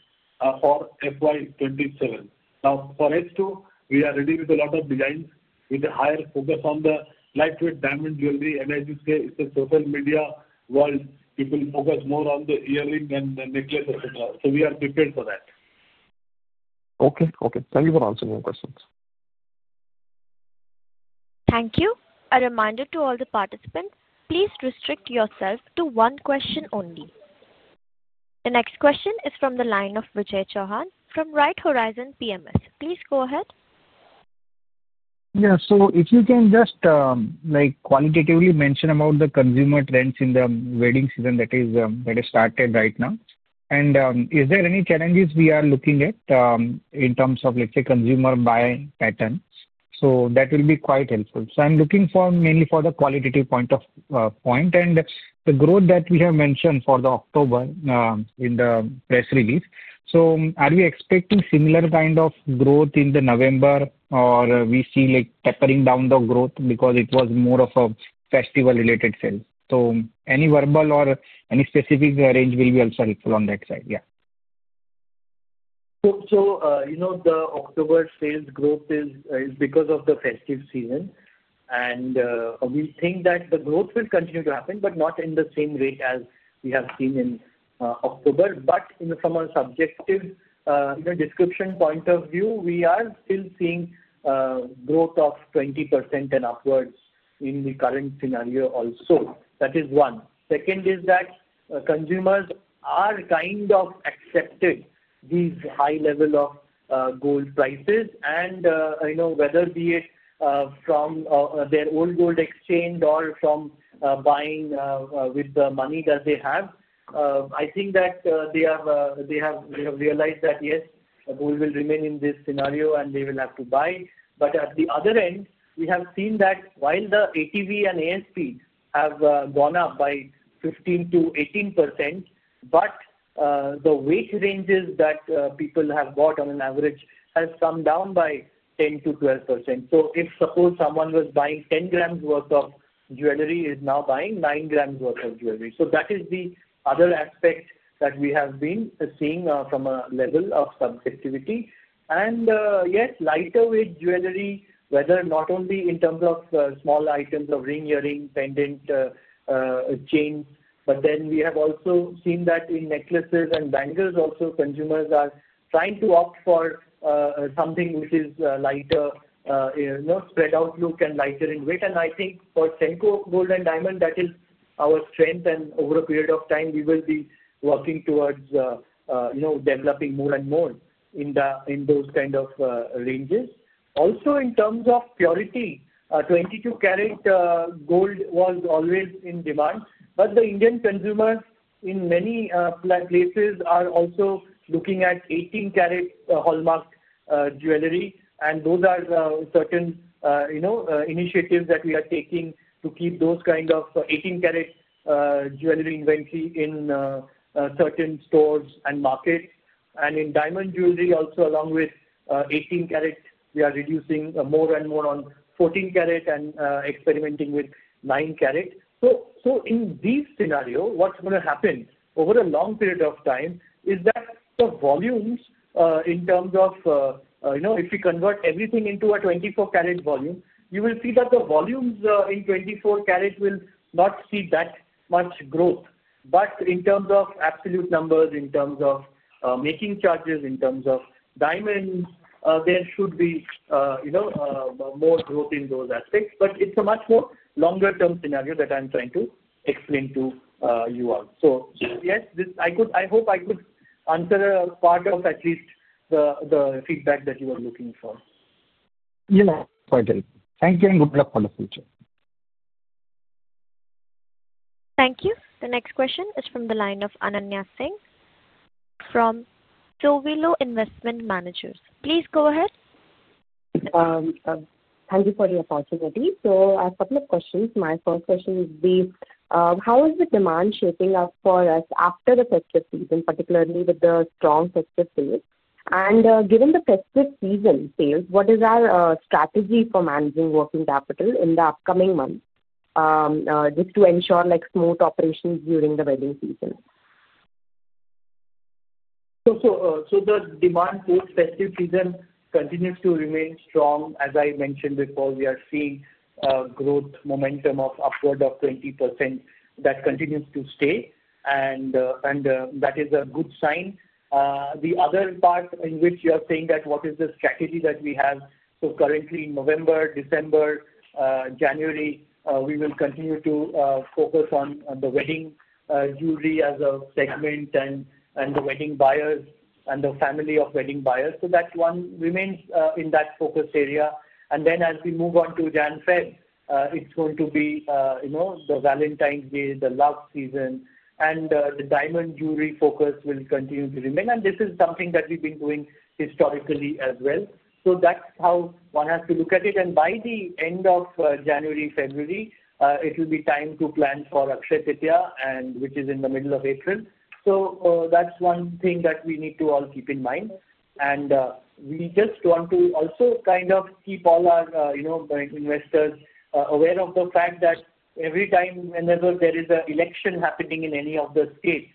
crore for FY2027. Now, for H2, we are ready with a lot of designs with a higher focus on the lightweight diamond jewelry. As you say, it's a social media world. People focus more on the earring and the necklace, etc. We are prepared for that. Okay. Okay. Thank you for answering my questions. Thank you. A reminder to all the participants, please restrict yourself to one question only. The next question is from the line of Vijay Chauhan from Right Horizon PMS. Please go ahead. Yeah. If you can just qualitatively mention about the consumer trends in the wedding season that has started right now. Is there any challenges we are looking at in terms of, let's say, consumer buying patterns? That will be quite helpful. I'm looking mainly for the qualitative point of point and the growth that we have mentioned for October in the press release. Are we expecting similar kind of growth in November, or do we see tapering down the growth because it was more of a festival-related sales? Any verbal or any specific range will be also helpful on that side. Yeah. The October sales growth is because of the festive season. We think that the growth will continue to happen, but not at the same rate as we have seen in October. From a subjective description point of view, we are still seeing growth of 20% and upwards in the current scenario also. That is one. Second is that consumers are kind of accepting these high levels of gold prices. Whether it is from their old gold exchange or from buying with the money that they have, I think that they have realized that, yes, gold will remain in this scenario, and they will have to buy. At the other end, we have seen that while the ATV and ASP have gone up by 15%-18%, the weight ranges that people have bought on average have come down by 10%-12%. If, suppose, someone was buying 10 grams worth of jewelry, he is now buying 9 grams worth of jewelry. That is the other aspect that we have been seeing from a level of subjectivity. Yes, lighter-weight jewelry, whether not only in terms of small items of ring, earring, pendant, chain, but then we have also seen that in necklaces and bangles also, consumers are trying to opt for something which is lighter, spread-out look, and lighter in weight. I think for Senco Gold and Diamond, that is our strength. Over a period of time, we will be working towards developing more and more in those kinds of ranges. Also, in terms of purity, 22-carat gold was always in demand. The Indian consumers in many places are also looking at 18-carat hallmark jewelry. Those are certain initiatives that we are taking to keep those kinds of 18-carat jewelry inventory in certain stores and markets. In diamond jewelry also, along with 18-carat, we are reducing more and more on 14-carat and experimenting with 9-carat. In these scenarios, what's going to happen over a long period of time is that the volumes in terms of if we convert everything into a 24-carat volume, you will see that the volumes in 24-carat will not see that much growth. In terms of absolute numbers, in terms of making charges, in terms of diamonds, there should be more growth in those aspects. It is a much more longer-term scenario that I'm trying to explain to you all. Yes, I hope I could answer a part of at least the feedback that you were looking for. Yeah. Pointed. Thank you, and good luck for the future. Thank you. The next question is from the line of Annanya Singh from Sowilo Investment Managers. Please go ahead. Thank you for the opportunity. I have a couple of questions. My first question would be, how is the demand shaping up for us after the festive season, particularly with the strong festive sales? Given the festive season sales, what is our strategy for managing working capital in the upcoming months just to ensure smooth operations during the wedding season? The demand for festive season continues to remain strong. As I mentioned before, we are seeing growth momentum of upward of 20% that continues to stay. That is a good sign. The other part in which you are saying that what is the strategy that we have? Currently, November, December, January, we will continue to focus on the wedding jewelry as a segment and the wedding buyers and the family of wedding buyers. That one remains in that focus area. As we move on to January, February, it is going to be the Valentine's Day, the love season, and the diamond jewelry focus will continue to remain. This is something that we have been doing historically as well. That is how one has to look at it. By the end of January, February, it will be time to plan for Akshay Tritya, which is in the middle of April. That is one thing that we need to all keep in mind. We just want to also kind of keep all our investors aware of the fact that every time whenever there is an election happening in any of the states,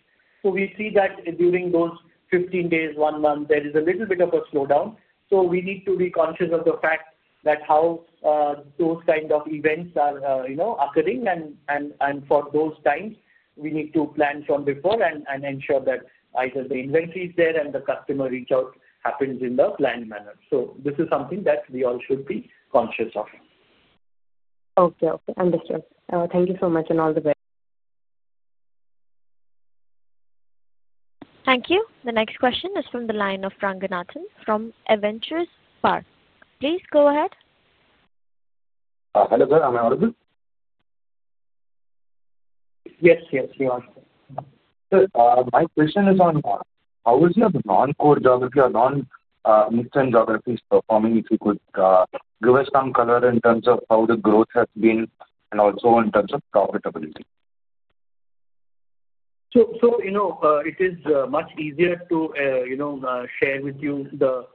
we see that during those 15 days, one month, there is a little bit of a slowdown. We need to be conscious of the fact that how those kinds of events are occurring. For those times, we need to plan from before and ensure that either the inventory is there and the customer reach-out happens in the planned manner. This is something that we all should be conscious of. Okay. Understood. Thank you so much and all the best. Thank you. The next question is from the line of Ranganathan from Avendus Spark. Please go ahead. Hello sir. Am I audible? Yes, yes, you are. Sir, my question is on how is your non-core geography or non-Mixed End geographies performing? If you could give us some color in terms of how the growth has been and also in terms of profitability. It is much easier to share with you the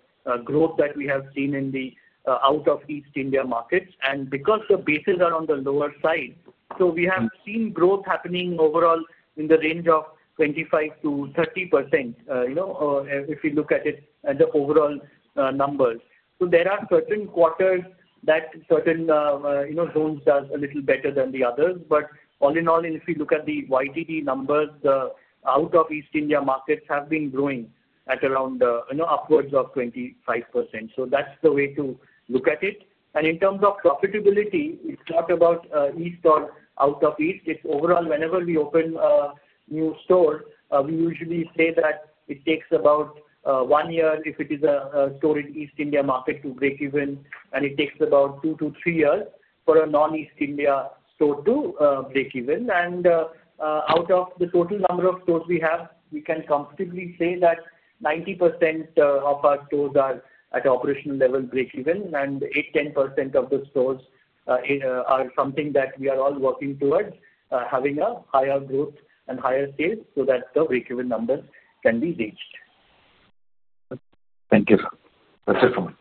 growth that we have seen in the out-of-East India markets. Because the bases are on the lower side, we have seen growth happening overall in the range of 25%-30% if you look at it at the overall numbers. There are certain quarters that certain zones do a little better than the others. All in all, if you look at the YTD numbers, the out-of-East India markets have been growing at around upwards of 25%. That is the way to look at it. In terms of profitability, it is not about East or out-of-East. It is overall, whenever we open a new store, we usually say that it takes about one year if it is a store in the East India market to break even. It takes about two to three years for a non-East India store to break even. Out of the total number of stores we have, we can comfortably say that 90% of our stores are at operational level break even. 8%-10% of the stores are something that we are all working towards having a higher growth and higher sales so that the break-even numbers can be reached. Thank you. That's it for me.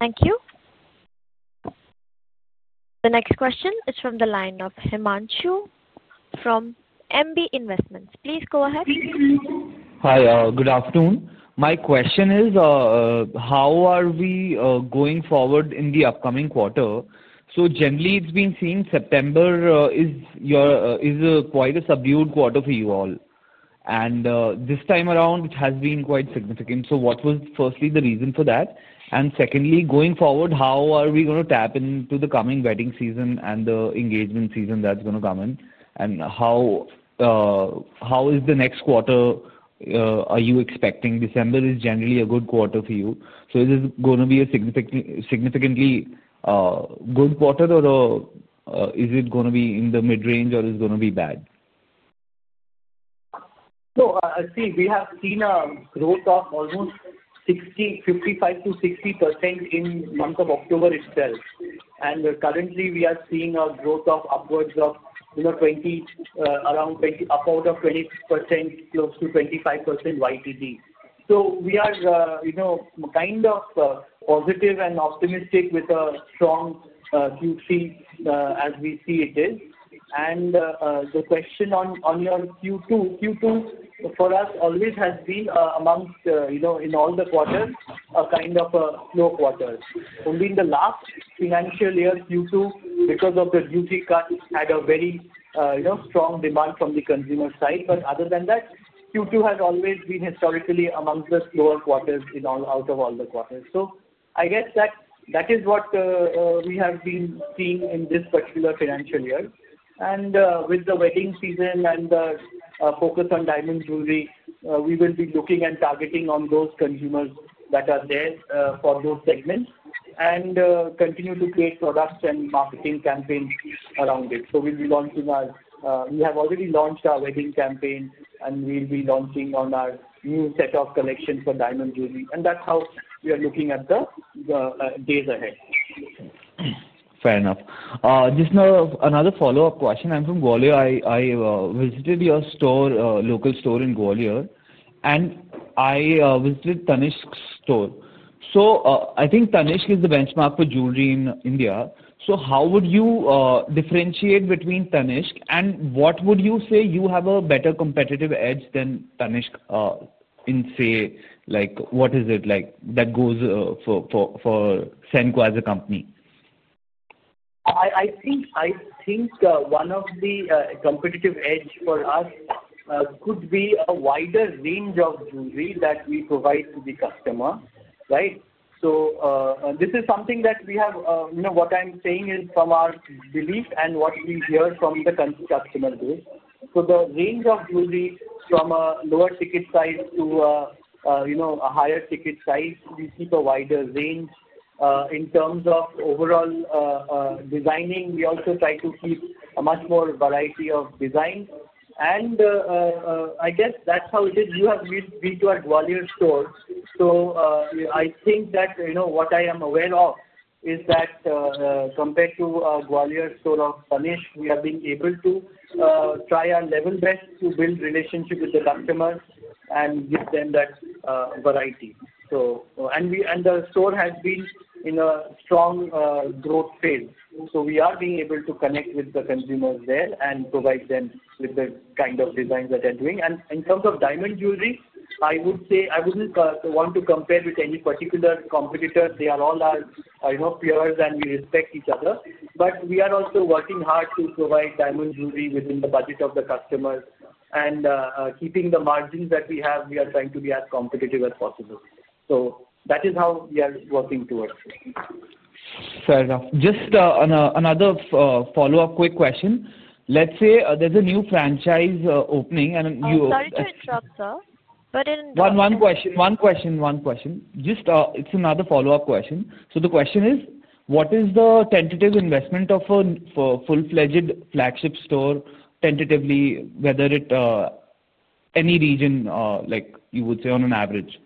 Thank you. The next question is from the line of Himanshu from MB Investments. Please go ahead. Hi. Good afternoon. My question is, how are we going forward in the upcoming quarter? Generally, it's been seen September is quite a subdued quarter for you all. This time around, it has been quite significant. What was firstly the reason for that? Secondly, going forward, how are we going to tap into the coming wedding season and the engagement season that's going to come in? How is the next quarter are you expecting? December is generally a good quarter for you. Is it going to be a significantly good quarter, or is it going to be in the mid-range, or is it going to be bad? I see we have seen a growth of almost 55%-60% in the month of October itself. Currently, we are seeing a growth of upwards of around 20%, close to 25% YTD. We are kind of positive and optimistic with a strong Q3 as we see it is. The question on your Q2, Q2 for us always has been amongst all the quarters a kind of a slow quarter. Only in the last financial year, Q2, because of the duty cuts, had a very strong demand from the consumer side. Other than that, Q2 has always been historically amongst the slower quarters out of all the quarters. I guess that is what we have been seeing in this particular financial year. With the wedding season and the focus on diamond jewelry, we will be looking and targeting on those consumers that are there for those segments and continue to create products and marketing campaigns around it. We have already launched our wedding campaign, and we will be launching our new set of collections for diamond jewelry. That is how we are looking at the days ahead. Fair enough. Just another follow-up question. I'm from Gwalior. I visited your local store in Gwalior, and I visited Tanishq's store. I think Tanishq is the benchmark for jewelry in India. How would you differentiate between Tanishq? What would you say you have a better competitive edge than Tanishq in, say, what is it that goes for Senco as a company? I think one of the competitive edges for us could be a wider range of jewelry that we provide to the customer, right? This is something that we have, what I am saying is from our belief and what we hear from the customer base. The range of jewelry from a lower ticket size to a higher ticket size, we keep a wider range. In terms of overall designing, we also try to keep a much more variety of designs. I guess that is how it is. You have reached our Gwalior store. I think that what I am aware of is that compared to our Gwalior store of Tanishq, we have been able to try our level best to build relationships with the customers and give them that variety. The store has been in a strong growth phase. We are being able to connect with the consumers there and provide them with the kind of designs that they're doing. In terms of diamond jewelry, I wouldn't want to compare with any particular competitor. They are all our peers, and we respect each other. We are also working hard to provide diamond jewelry within the budget of the customers. Keeping the margins that we have, we are trying to be as competitive as possible. That is how we are working towards. Fair enough. Just another follow-up quick question. Let's say there's a new franchise opening and you. Sorry to interrupt, sir. In. One question. Just it's another follow-up question. The question is, what is the tentative investment of a full-fledged flagship store, tentatively, whether it's any region, you would say, on an average?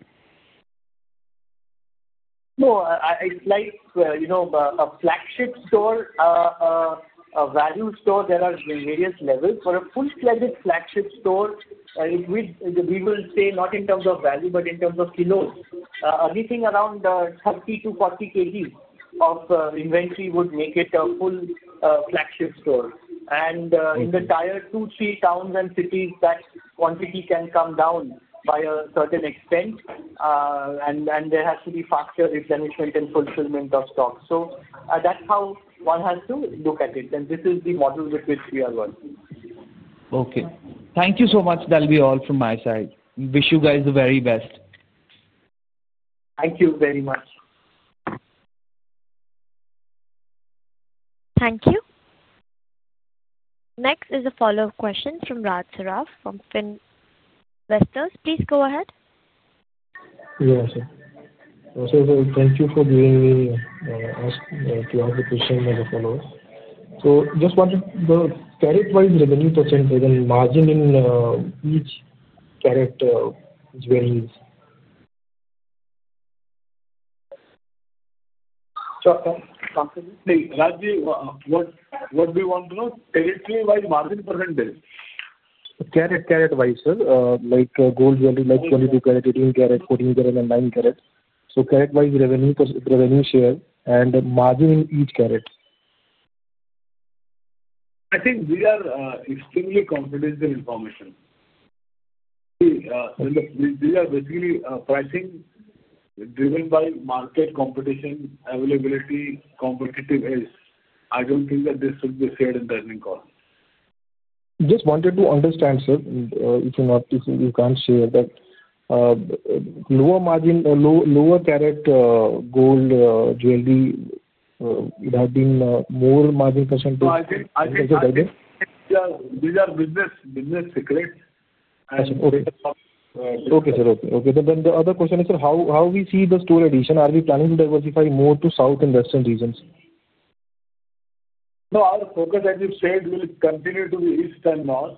No, it's like a flagship store, a value store. There are various levels. For a full-fledged flagship store, we will say not in terms of value, but in terms of kilos, anything around 30kg-40 kg of inventory would make it a full-fledged store. In the tier two, three towns and cities, that quantity can come down by a certain extent. There has to be faster replenishment and fulfillment of stock. That is how one has to look at it. This is the model with which we are working. Okay. Thank you so much, Dalal, all from my side. Wish you guys the very best. Thank you very much. Thank you. Next is a follow-up question from Raj Saraf from FinVectors. Please go ahead. Yes, sir. Thank you for giving me to ask you all the question as a follow-up. Just wanted the karat-wise revenue percentage and margin in each karat is very easy. Sure. Comfortable? Hey, Rajvi, what do we want to know? Karat-wise margin percentage. Karat-wise, sir, like gold, like 22 karat, 18 karat, 14 karat, and 9 karat. So karat-wise revenue share and margin in each karat. I think we are extremely confident in the information. We are basically pricing driven by market competition, availability, competitive edge. I don't think that this should be shared in the earning call. Just wanted to understand, sir, if you can't share that lower margin, lower karat gold jewelry, it has been more margin percentage. No, I think these are business secrets. Okay. Okay, sir. Okay. Okay. The other question is, sir, how do we see the store addition? Are we planning to diversify more to South and Western regions? No, our focus, as you said, will continue to be East and North.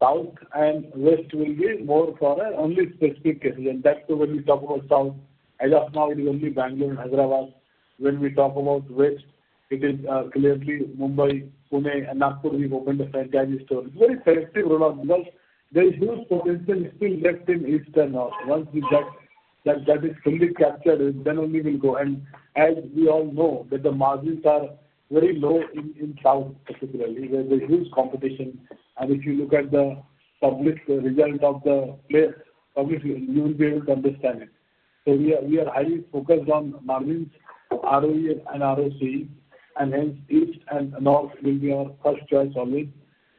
South and West will be more for only specific cases. That is when we talk about South. As of now, it is only Bangalore and Hyderabad. When we talk about West, it is clearly Mumbai, Pune, and Nagpur we have opened a franchise store. It is a very selective rollout because there is huge potential still left in East and North. Once that is fully captured, then only we will go. As we all know, the margins are very low in South, particularly, where there is huge competition. If you look at the public result of the place, you will be able to understand it. We are highly focused on margins, ROE, and ROCs. Hence, East and North will be our first choice always.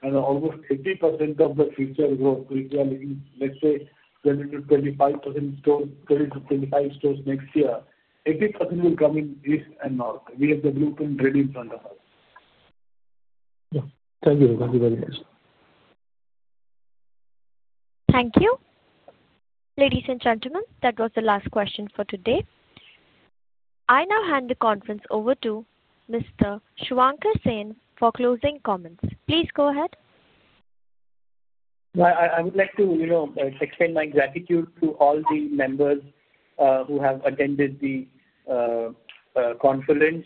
Almost 80% of the future growth, if we are looking, let's say, 20-25 stores next year, 80% will come in East and North. We have the blueprint ready in front of us. Yes. Thank you. Thank you very much. Thank you. Ladies and gentlemen, that was the last question for today. I now hand the conference over to Mr. Suvankar Sen for closing comments. Please go ahead. I would like to extend my gratitude to all the members who have attended the conference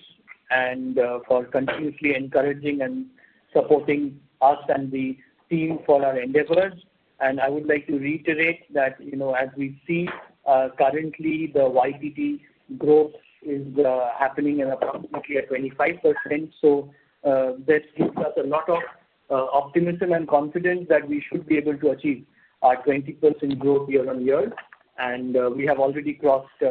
and for continuously encouraging and supporting us and the team for our endeavors. I would like to reiterate that as we see currently, the YTD growth is happening at approximately 25%. That gives us a lot of optimism and confidence that we should be able to achieve our 20% growth year on year. We have already crossed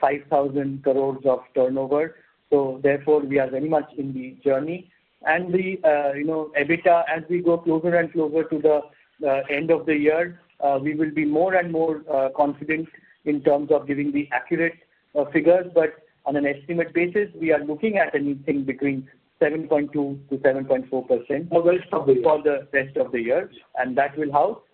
5,000 crore of turnover. Therefore, we are very much in the journey. EBITDA, as we go closer and closer to the end of the year, we will be more and more confident in terms of giving the accurate figures. On an estimate basis, we are looking at anything between 7.2%-7.4% for the rest of the year. That will help.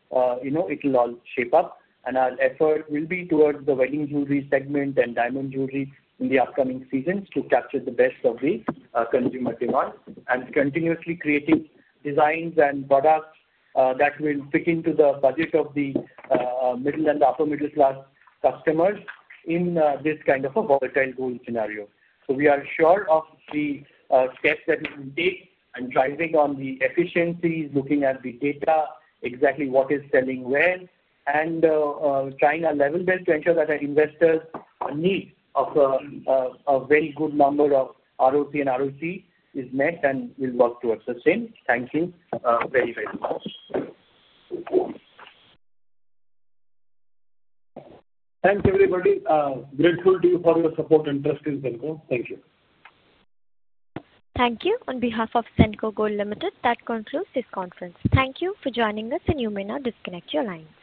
It will all shape up. Our effort will be towards the wedding jewelry segment and diamond jewelry in the upcoming seasons to capture the best of the consumer demand and continuously creating designs and products that will fit into the budget of the middle and upper-middle-class customers in this kind of a volatile gold scenario. We are sure of the steps that we will take and driving on the efficiencies, looking at the data, exactly what is selling where, and trying our level best to ensure that our investors' need of a very good number of ROCE and ROE is met and will work towards the same. Thank you very, very much. Thanks, everybody. Grateful to you for your support and trust in Senco. Thank you. Thank you. On behalf of Senco Gold Limited, that concludes this conference. Thank you for joining us, and you may now disconnect your line.